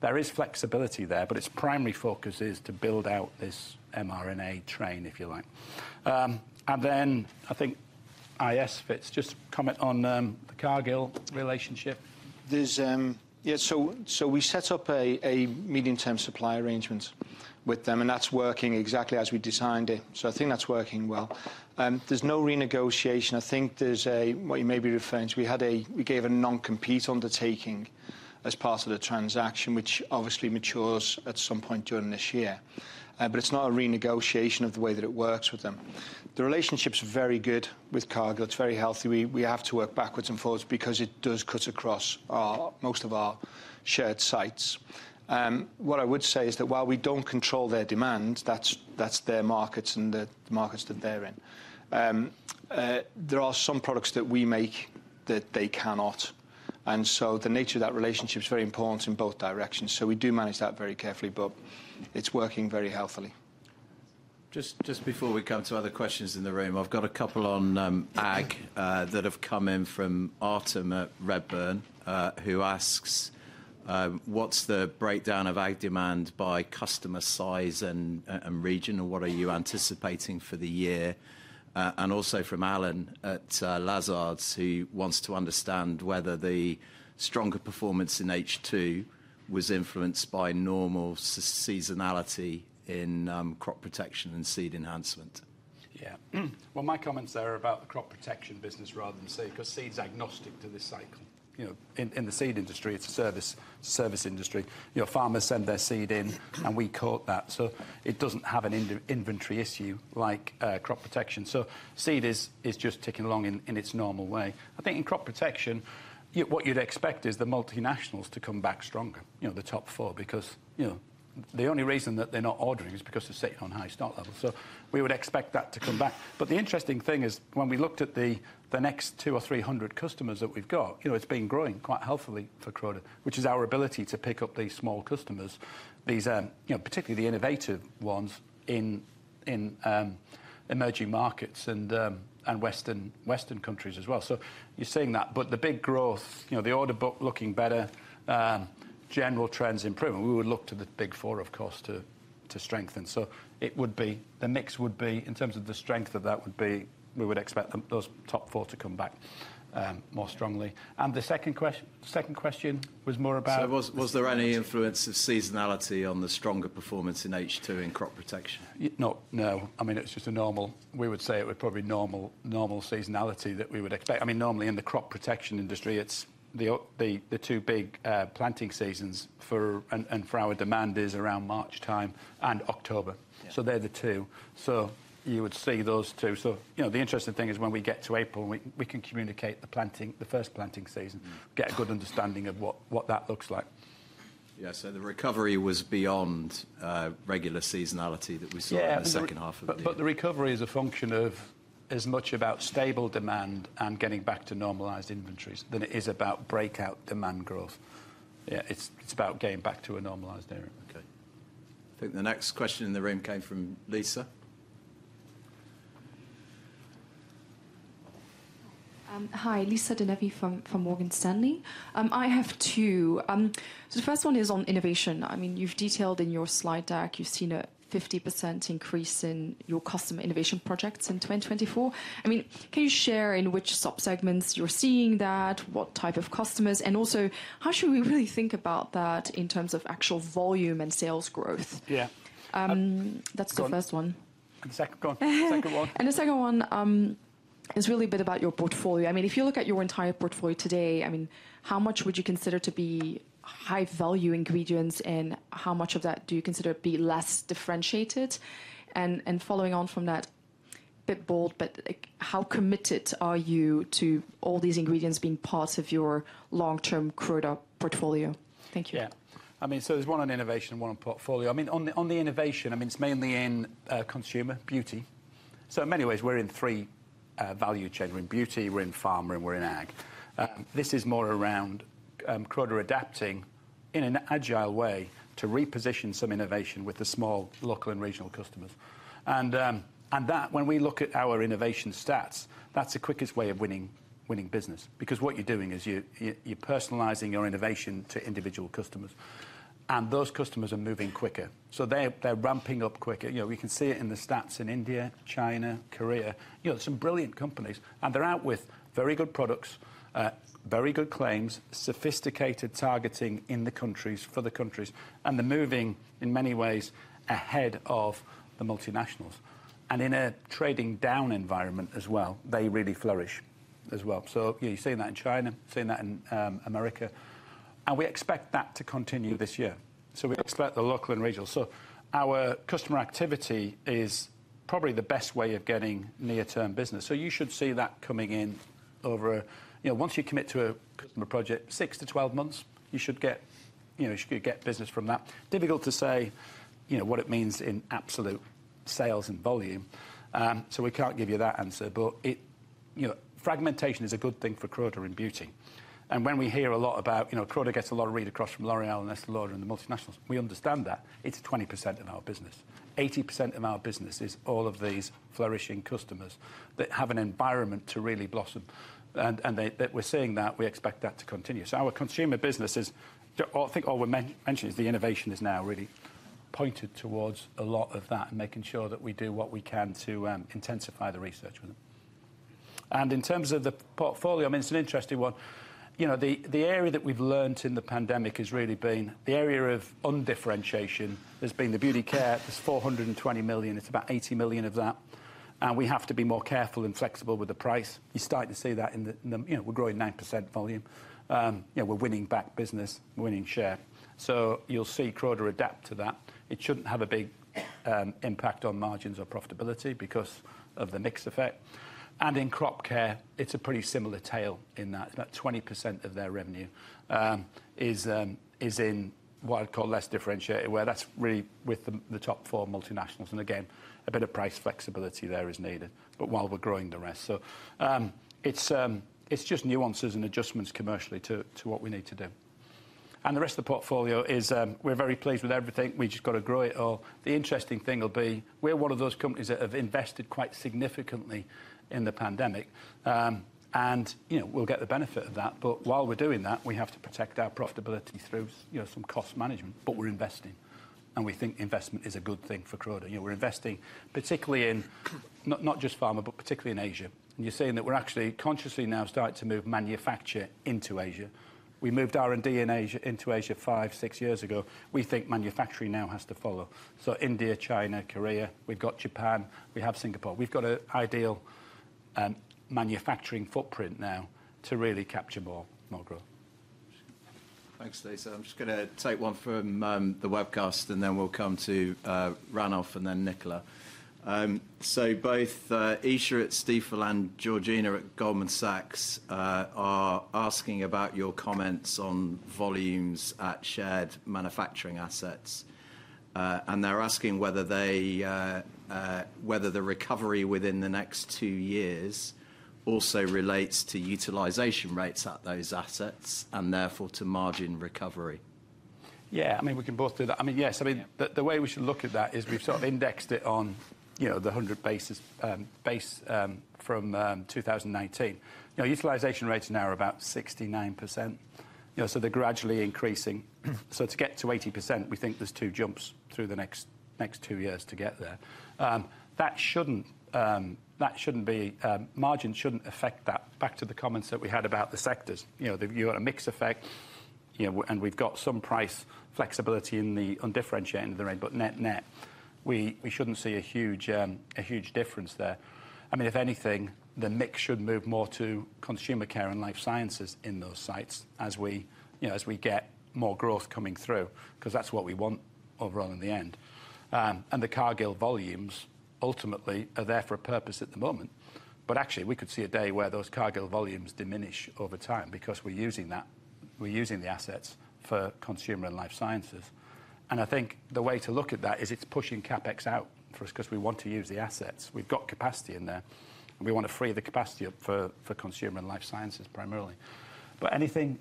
There is flexibility there, but its primary focus is to build out this mRNA train, if you like. I think IS, Fitz, just comment on the Cargill relationship. Yeah, so we set up a medium-term supply arrangement with them, and that's working exactly as we designed it. I think that's working well. There's no renegotiation. I think there's a—what you may be referring to, we gave a non-compete undertaking as part of the transaction, which obviously matures at some point during this year. It's not a renegotiation of the way that it works with them. The relationship's very good with Cargill. It's very healthy. We have to work backwards and forwards because it does cut across most of our shared sites. What I would say is that while we don't control their demand, that's their markets and the markets that they're in. There are some products that we make that they cannot. And so the nature of that relationship is very important in both directions. So we do manage that very carefully, but it's working very healthily. Just before we come to other questions in the room, I've got a couple on ag that have come in from Artem at Redburn, who asks, "What's the breakdown of ag demand by customer size and region, and what are you anticipating for the year?" And also from Alan at Lazard, who wants to understand whether the stronger performance in H2 was influenced by normal seasonality in Crop Protection and seed enhancement. Yeah. Well, my comments there are about the Crop Protection business rather than seed because seed's agnostic to this cycle. In the seed industry, it's a service industry. Farmers send their seed in, and we coat that. It doesn't have an inventory issue like Crop Protection. Seed is just ticking along in its normal way. I think in Crop Protection, what you'd expect is the multinationals to come back stronger, the top four, because the only reason that they're not ordering is because they're sitting on high stock levels. We would expect that to come back. The interesting thing is when we looked at the next 200 or 300 customers that we've got, it's been growing quite healthily for Croda, which is our ability to pick up these small customers, particularly the innovative ones in emerging markets and Western countries as well. You're seeing that. The big growth, the order book looking better, general trends improvement, we would look to the Big Four, of course, to strengthen. So the mix would be, in terms of the strength of that, we would expect those top four to come back more strongly. And the second question was more about. So was there any influence of seasonality on the stronger performance in H2 in Crop Protection? No. I mean, it's just a normal, we would say it would probably be normal seasonality that we would expect. I mean, normally in the Crop Protection industry, the two big planting seasons for our demand is around March time and October. So they're the two. So you would see those two. So the interesting thing is when we get to April, we can communicate the first planting season, get a good understanding of what that looks like. Yeah. So the recovery was beyond regular seasonality that we saw in the second-half of the year. But the recovery is a function of as much about stable demand and getting back to normalized inventories than it is about breakout demand growth. Yeah, it's about getting back to a normalized area. Okay. I think the next question in the room came from Lisa. Hi. Lisa De Neve from Morgan Stanley. I have two. So the first one is on innovation. I mean, you've detailed in your slide deck; you've seen a 50% increase in your customer innovation projects in 2024. I mean, can you share in which subsegments you're seeing that, what type of customers? And also, how should we really think about that in terms of actual volume and sales growth? Yeah. That's the first one. And the second one And the second one is really a bit about your portfolio. I mean, if you look at your entire portfolio today, I mean, how much would you consider to be high-value ingredients and how much of that do you consider to be less differentiated? And following on from that, a bit bold, but how committed are you to all these ingredients being part of your long-term Croda portfolio? Thank you. Yeah. I mean, so there's one on innovation and one on portfolio. I mean, on the innovation, I mean, it's mainly in consumer beauty. So in many ways, we're in three value chains. We're in beauty, we're in Pharma, and we're in ag. This is more around Croda adapting in an agile way to reposition some innovation with the small local and regional customers. And when we look at our innovation stats, that's the quickest way of winning business because what you're doing is you're personalizing your innovation to individual customers. Those customers are moving quicker. They're ramping up quicker. We can see it in the stats in India, China, Korea. Some brilliant companies. They're out with very good products, very good claims, sophisticated targeting in the countries for the countries. They're moving in many ways ahead of the multinationals. In a trading down environment as well, they really flourish as well. You're seeing that in China, seeing that in America. We expect that to continue this year. We expect the local and regional. Our customer activity is probably the best way of getting near-term business. You should see that coming in over once you commit to a customer project, six to 12 months, you should get business from that. Difficult to say what it means in absolute sales and volume. We can't give you that answer. But fragmentation is a good thing for Croda in beauty. And when we hear a lot about Croda gets a lot of read across from L'Oréal and Estée Lauder and the multinationals, we understand that. It's 20% of our business. 80% of our business is all of these flourishing customers that have an environment to really blossom. And we're seeing that. We expect that to continue. So our consumer business is, I think all we're mentioning is the innovation is now really pointed towards a lot of that and making sure that we do what we can to intensify the research with them. And in terms of the portfolio, I mean, it's an interesting one. The area that we've learned in the pandemic has really been the area of undifferentiation. There's been the Beauty Care. There's 420 million. It's about 80 million of that. We have to be more careful and flexible with the price. You're starting to see that in that we're growing 9% volume. We're winning back business, winning share, so you'll see Croda adapt to that. It shouldn't have a big impact on margins or profitability because of the mix effect. In Crop Protection, it's a pretty similar tale in that. About 20% of their revenue is in what I'd call less differentiated, where that's really with the top four multinationals. Again, a bit of price flexibility there is needed, but while we're growing the rest. It's just nuances and adjustments commercially to what we need to do. The rest of the portfolio, we're very pleased with everything. We've just got to grow it all. The interesting thing will be we're one of those companies that have invested quite significantly in the pandemic. We'll get the benefit of that. But while we're doing that, we have to protect our profitability through some cost management. But we're investing. And we think investment is a good thing for Croda. We're investing particularly in not just Pharma, but particularly in Asia. And you're seeing that we're actually consciously now starting to move manufacture into Asia. We moved R&D in Asia into Asia five, six years ago. We think manufacturing now has to follow. So India, China, Korea, we've got Japan, we have Singapore. We've got an ideal manufacturing footprint now to really capture more growth. Thanks, Lisa. I'm just going to take one from the webcast, and then we'll come to Ranulf and then Nicola. So both Isha at Stifel and Georgina at Goldman Sachs are asking about your comments on volumes at shared manufacturing assets. They're asking whether the recovery within the next two years also relates to utilization rates at those assets and therefore to margin recovery. Yeah. I mean, we can both do that. I mean, yes. I mean, the way we should look at that is we've sort of indexed it on the 100% base from 2019. Utilization rates now are about 69%. So they're gradually increasing. So to get to 80%, we think there's two jumps through the next two years to get there. That shouldn't be; margin shouldn't affect that. Back to the comments that we had about the sectors. You've got a mixed effect, and we've got some price flexibility in the undifferentiated in the range, but net net, we shouldn't see a huge difference there. I mean, if anything, the mix should move more to Consumer Care and Life Sciences in those sites as we get more growth coming through because that's what we want overall in the end. And the Cargill volumes ultimately are there for a purpose at the moment. But actually, we could see a day where those Cargill volumes diminish over time because we're using that. We're using the assets for Consumer Care and Life Sciences. And I think the way to look at that is it's pushing CapEx out for us because we want to use the assets. We've got capacity in there. We want to free the capacity up for Consumer Care and Life Sciences primarily. But anything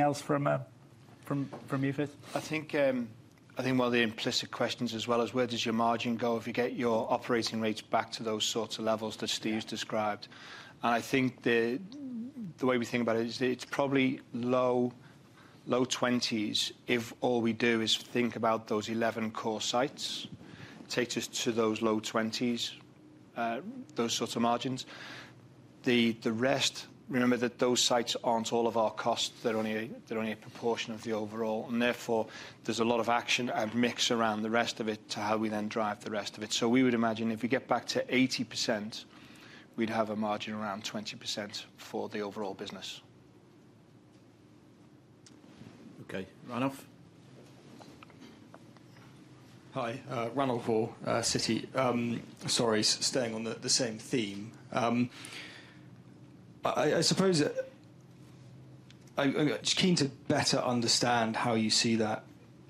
else from you, Fitz? I think one of the implicit questions as well is, where does your margin go if you get your operating rates back to those sorts of levels that Steve's described? And I think the way we think about it is it's probably low 20s if all we do is think about those 11 core sites. It takes us to those low 20s, those sorts of margins. The rest, remember that those sites aren't all of our costs. They're only a proportion of the overall. And therefore, there's a lot of action and mix around the rest of it to how we then drive the rest of it. So we would imagine if we get back to 80%, we'd have a margin around 20% for the overall business. Okay. Ranulf? Hi. Ranulf Orr, Citi. Sorry, staying on the same theme. I suppose I'm just keen to better understand how you see that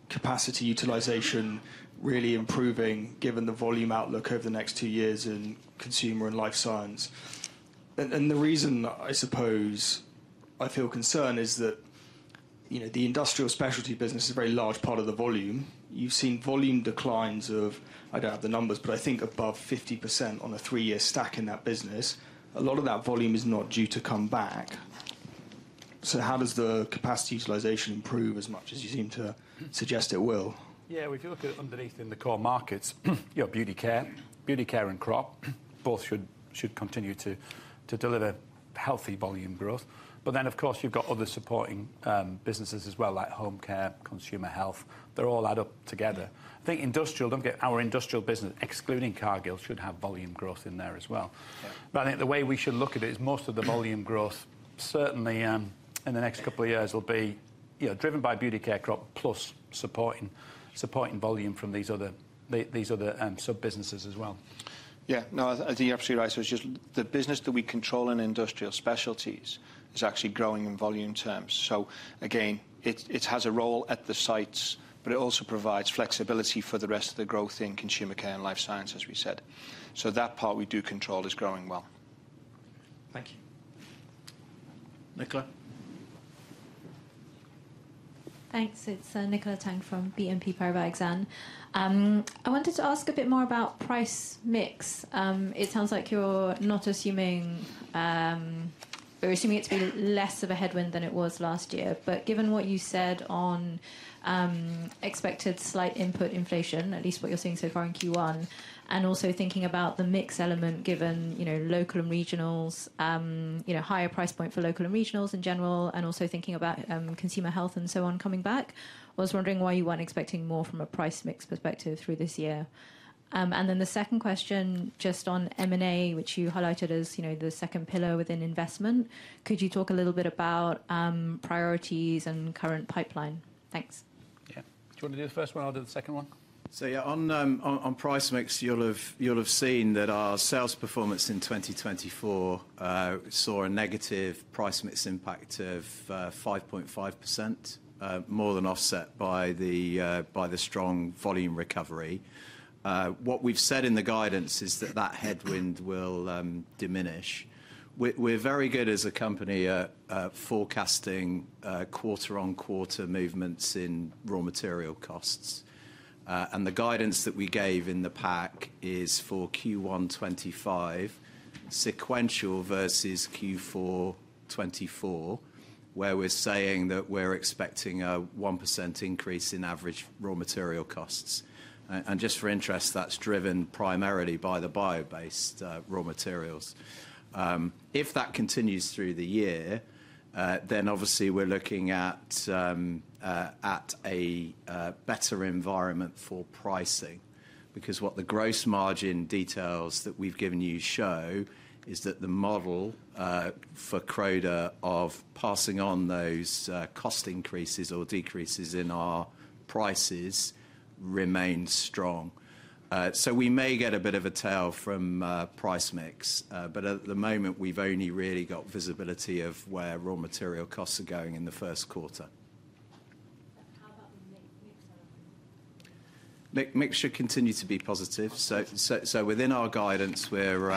capacity utilization really improving given the volume outlook over the next two years in Consumer Care and Life Sciences. The reason I suppose I feel concerned is that the Industrial Specialties business is a very large part of the volume. You've seen volume declines of, I don't have the numbers, but I think above 50% on a three-year stack in that business. A lot of that volume is not due to come back. So how does the capacity utilization improve as much as you seem to suggest it will? Yeah. If you look at underneath in the core markets, Beauty Care and Crop, both should continue to deliver healthy volume growth. But then, of course, you've got other supporting businesses as well, like Home Care, Consumer Health. They're all add up together. I think our industrial business, excluding Cargill, should have volume growth in there as well. But I think the way we should look at it is most of the volume growth, certainly in the next couple of years, will be driven by Beauty Care, Crop, plus supporting volume from these other sub-businesses as well. Yeah. No, I think you're absolutely right. So it's just the business that we control in Industrial Specialties is actually growing in volume terms. So again, it has a role at the sites, but it also provides flexibility for the rest of the growth in consumer care and life sciences, as we said. So that part we do control is growing well. Thank you. Nicola. Thanks. It's Nicola Tang from BNP Paribas Exane. I wanted to ask a bit more about price mix. It sounds like you're not assuming or assuming it's been less of a headwind than it was last year. But given what you said on expected slight input inflation, at least what you're seeing so far in Q1, and also thinking about the mix element given local and regionals, higher price point for local and regionals in general, and also thinking about Consumer Health and so on coming back, I was wondering why you weren't expecting more from a price mix perspective through this year. And then the second question just on M&A, which you highlighted as the second pillar within investment, could you talk a little bit about priorities and current pipeline? Thanks. Yeah. Do you want to do the first one or do the second one? So yeah, on price mix, you'll have seen that our sales performance in 2024 saw a negative price mix impact of 5.5%, more than offset by the strong volume recovery. What we've said in the guidance is that that headwind will diminish. We're very good as a company at forecasting quarter-on-quarter movements in raw material costs. And the guidance that we gave in the pack is for Q1 2025, sequential versus Q4 2024, where we're saying that we're expecting a 1% increase in average raw material costs. And just for interest, that's driven primarily by the bio-based raw materials. If that continues through the year, then obviously we're looking at a better environment for pricing because what the gross margin details that we've given you show is that the model for Croda of passing on those cost increases or decreases in our prices remains strong. So we may get a bit of a tail from price mix. But at the moment, we've only really got visibility of where raw material costs are going in the first quarter. How about the mix? Mix should continue to be positive. So within our guidance, we're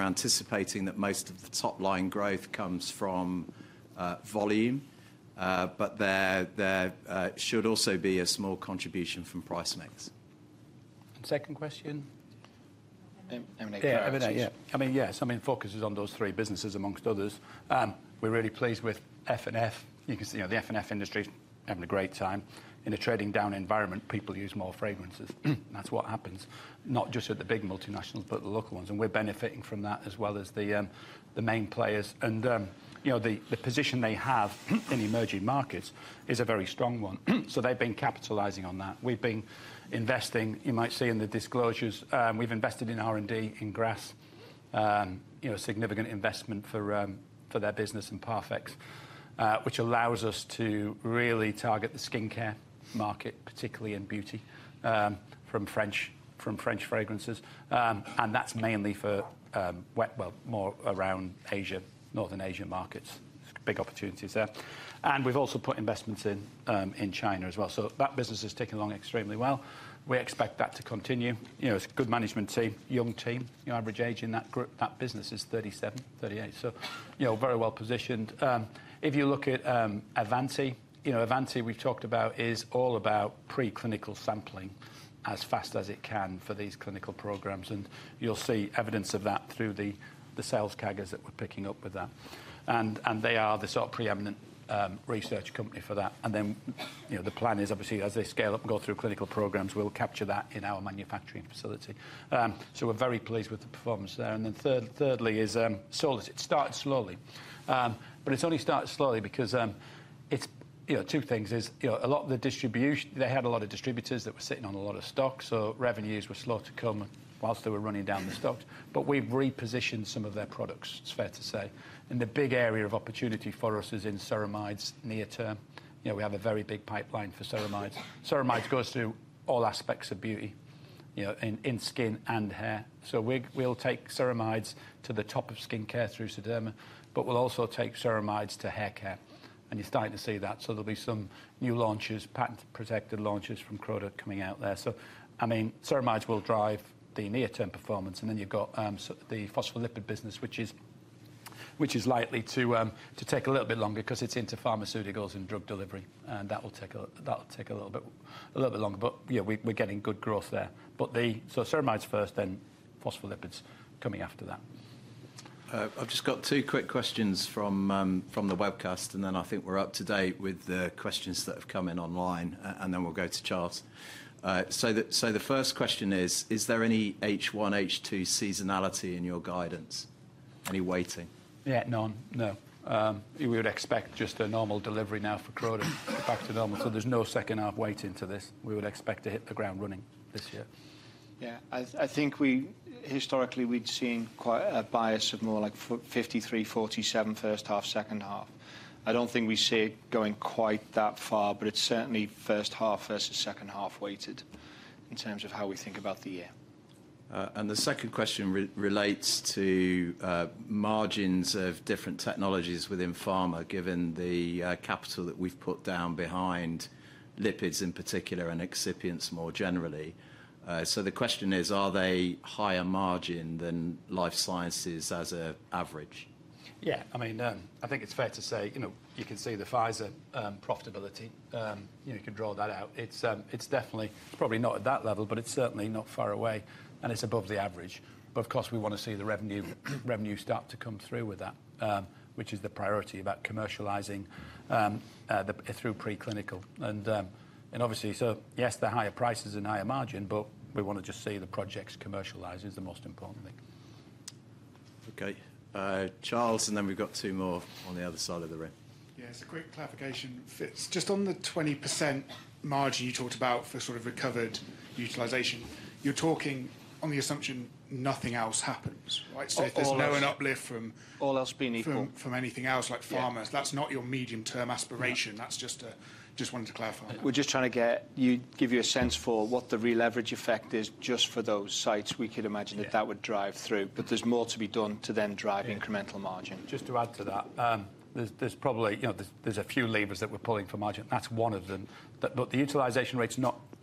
anticipating that most of the top-line growth comes from volume, but there should also be a small contribution from price mix. Second question. M&A. Yeah. M&A. I mean, yes. I mean, focus is on those three businesses, among others. We're really pleased with F&F. You can see the F&F industry is having a great time. In a trading down environment, people use more fragrances. That's what happens, not just at the big multinationals, but the local ones. And we're benefiting from that as well as the main players. And the position they have in emerging markets is a very strong one. So they've been capitalizing on that. We've been investing. You might see in the disclosures, we've invested in R&D in Grasse, a significant investment for their business in Parfex, which allows us to really target the skincare market, particularly in beauty, from French fragrances. And that's mainly for, well, more around Asia, Northern Asia markets. It's a big opportunity there. And we've also put investments in China as well. So that business is ticking along extremely well. We expect that to continue. It's a good management team, young team. Your average age in that group, that business is 37, 38. So very well positioned. If you look at Avanti, Avanti we've talked about is all about preclinical sampling as fast as it can for these clinical programs. And you'll see evidence of that through the sales CAGRs that we're picking up with that. They are the sort of preeminent research company for that. And then the plan is, obviously, as they scale up and go through clinical programs, we'll capture that in our manufacturing facility. So we're very pleased with the performance there. And then thirdly is it started slowly. But it's only started slowly because two things is a lot of the distribution, they had a lot of distributors that were sitting on a lot of stock. So revenues were slow to come while they were running down the stocks. But we've repositioned some of their products, it's fair to say. And the big area of opportunity for us is in ceramides near-term. We have a very big pipeline for ceramides. Ceramides goes through all aspects of beauty in skin and hair. So we'll take ceramides to the top of skincare through Sederma, but we'll also take ceramides to haircare. And you're starting to see that. So there'll be some new launches, patent-protected launches from Croda coming out there. So I mean, ceramides will drive the near-term performance. And then you've got the phospholipid business, which is likely to take a little bit longer because it's into Pharmaceuticals and drug delivery. And that will take a little bit longer. But yeah, we're getting good growth there. But so ceramides first, then phospholipids coming after that. I've just got two quick questions from the webcast, and then I think we're up to date with the questions that have come in online, and then we'll go to Charles. So the first question is, is there any H1, H2 seasonality in your guidance? Any weighting? Yeah, none. No. We would expect just a normal delivery now for Croda back to normal. So there's no second-half weighting to this. We would expect to hit the ground running this year. Yeah. I think historically we'd seen a bias of more like 53-47 first-half, second-half. I don't think we see it going quite that far, but it's certainly first half versus second-half weighted in terms of how we think about the year. The second question relates to margins of different technologies within Pharma, given the capital that we've put down behind lipids in particular and excipients more generally. So the question is, are they higher margin than Life Sciences as an average? Yeah. I mean, I think it's fair to say you can see the Pfizer profitability. You can draw that out. It's definitely probably not at that level, but it's certainly not far away, and it's above the average. But of course, we want to see the revenue start to come through with that, which is the priority about commercializing through preclinical. And obviously, so yes, the higher prices and higher margin, but we want to just see the projects commercialize is the most important thing. Okay. Charles. And then we've got two more on the other side of the room. Yeah. So quick clarification, Fitz. Just on the 20% margin you talked about for sort of recovered utilization, you're talking on the assumption nothing else happens, right? So there's no one uplift from all else being equal from anything else like Pharma. That's not your medium-term aspiration. That's just wanted to clarify. We're just trying to give you a sense for what the re-leverage effect is just for those sites. We could imagine that that would drive through. But there's more to be done to then drive incremental margin. Just to add to that, there's probably a few levers that we're pulling for margin. That's one of them. But the utilization rates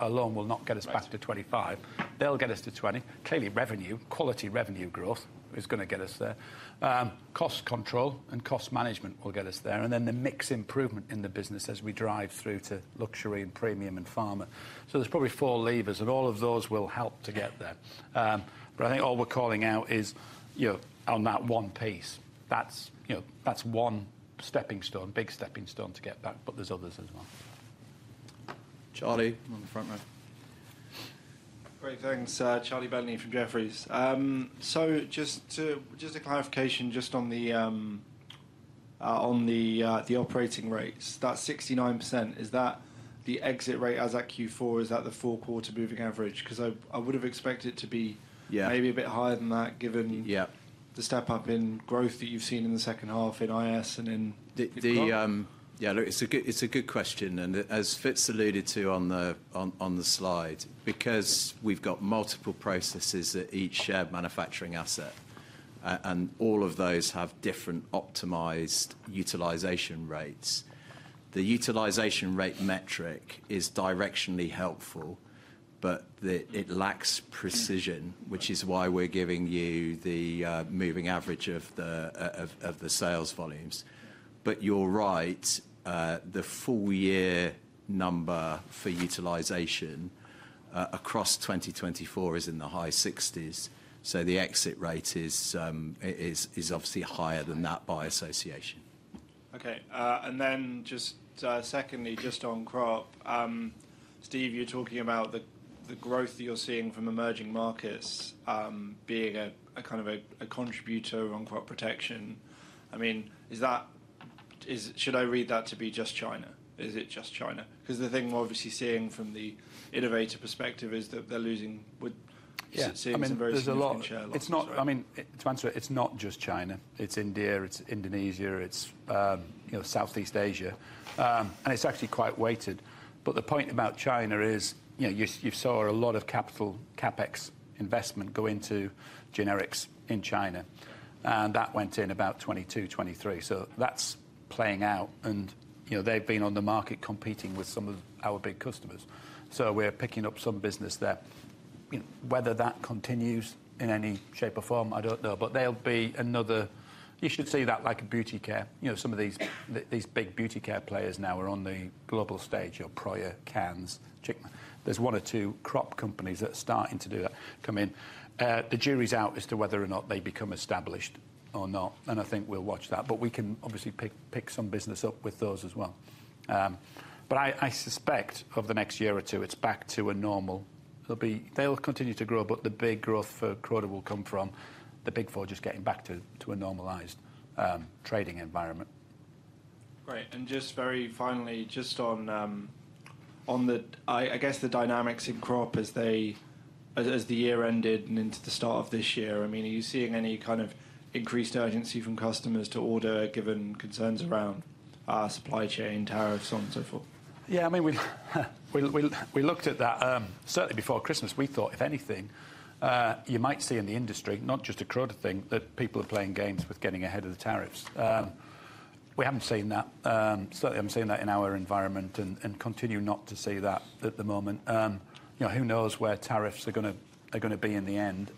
alone will not get us back to 25. They'll get us to 20. Clearly, revenue, quality revenue growth is going to get us there. Cost control and cost management will get us there. And then the mix improvement in the business as we drive through to luxury and premium and Pharma. So there's probably four levers, and all of those will help to get there. But I think all we're calling out is on that one piece. That's one big stepping stone to get back, but there's others as well. Charlie on the front row. Great. Thanks. Charlie Bentley from Jefferies. So just a clarification just on the operating rates. That 69%, is that the exit rate as at Q4? Is that the four-quarter moving average? Because I would have expected it to be maybe a bit higher than that given the step-up in growth that you've seen in the second-half in IS and in the year. Look, it's a good question, and as Fitz alluded to on the slide, because we've got multiple processes that each share manufacturing asset, and all of those have different optimized utilization rates. The utilization rate metric is directionally helpful, but it lacks precision, which is why we're giving you the moving average of the sales volumes. But you're right. The full-year number for utilization across 2024 is in the high 60s. So the exit rate is obviously higher than that by association. Okay. And then, just secondly, just on Crop, Steve, you're talking about the growth that you're seeing from emerging markets being a kind of a contributor on Crop Protection. I mean, should I read that to be just China? Is it just China? Because the thing we're obviously seeing from the innovator perspective is that they're losing with seeds and very significant share losses. I mean, to answer it, it's not just China. It's India, it's Indonesia, it's Southeast Asia. And it's actually quite weighted. But the point about China is you saw a lot of capital CapEx investment go into generics in China. And that went in about 2022, 2023. So that's playing out. And they've been on the market competing with some of our big customers. So we're picking up some business there. Whether that continues in any shape or form, I don't know. But there'll be another. You should see that, like, in Beauty Care. Some of these big Beauty Care players now are on the global stage, Proya, Kans, Chicmax. There's one or two Crop companies that are starting to do that, come in. The jury's out as to whether or not they become established or not. And I think we'll watch that. But we can obviously pick some business up with those as well. But I suspect over the next year or two, it's back to normal. They'll continue to grow, but the big growth for Croda will come from the Big 4 just getting back to a normalized trading environment. Great. Just very finally, just on the, I guess, the dynamics in Crop as the year ended and into the start of this year, I mean, are you seeing any kind of increased urgency from customers to order given concerns around supply chain tariffs and so forth? Yeah. I mean, we looked at that. Certainly before Christmas, we thought, if anything, you might see in the industry, not just a Croda thing, that people are playing games with getting ahead of the tariffs. We haven't seen that. Certainly, I'm not seeing that in our environment and continue not to see that at the moment. Who knows where tariffs are going to be in the end?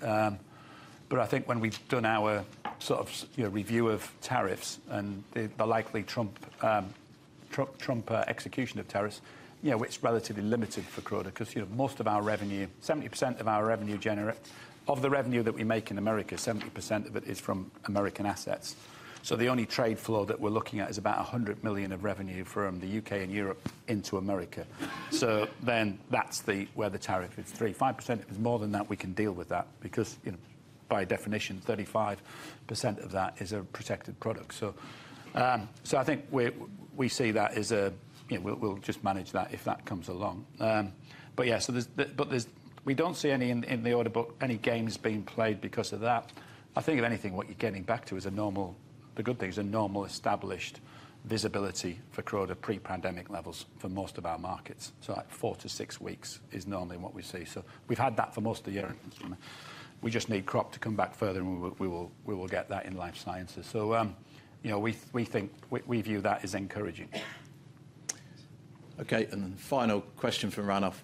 But I think when we've done our sort of review of tariffs and the likely Trump execution of tariffs, it's relatively limited for Croda because most of our revenue, 70% of our revenue generated, of the revenue that we make in America, 70% of it is from American assets. So the only trade flow that we're looking at is about 100 million of revenue from the UK and Europe into America. So then that's where the tariff is, 3%-5%. If it's more than that, we can deal with that because by definition, 35% of that is a protected product. So I think we see that as we'll just manage that if that comes along. But yeah, so we don't see any in the order book, any games being played because of that. I think if anything, what you're getting back to is a normal. The good thing is a normal established visibility for Croda pre-pandemic levels for most of our markets. So like four to six weeks is normally what we see. So we've had that for most of the year. We just need Crop to come back further, and we will get that in life sciences. So we think we view that as encouraging. Okay. And then final question from Ranulf.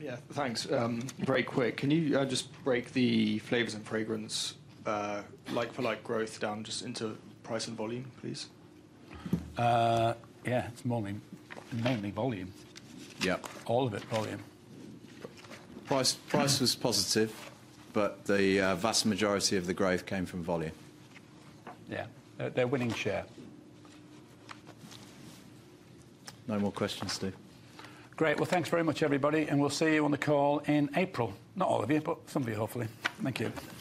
Yeah. Thanks. Very quick. Can you just break the Flavors and Fragrance like-for-like growth down just into price and volume, please? Yeah. It's mainly volume. Yeah. All of it volume. Price was positive, but the vast majority of the growth came from volume. Yeah. They're winning share. No more questions, Steve. Great. Well, thanks very much, everybody. And we'll see you on the call in April. Not all of you, but some of you, hopefully. Thank you.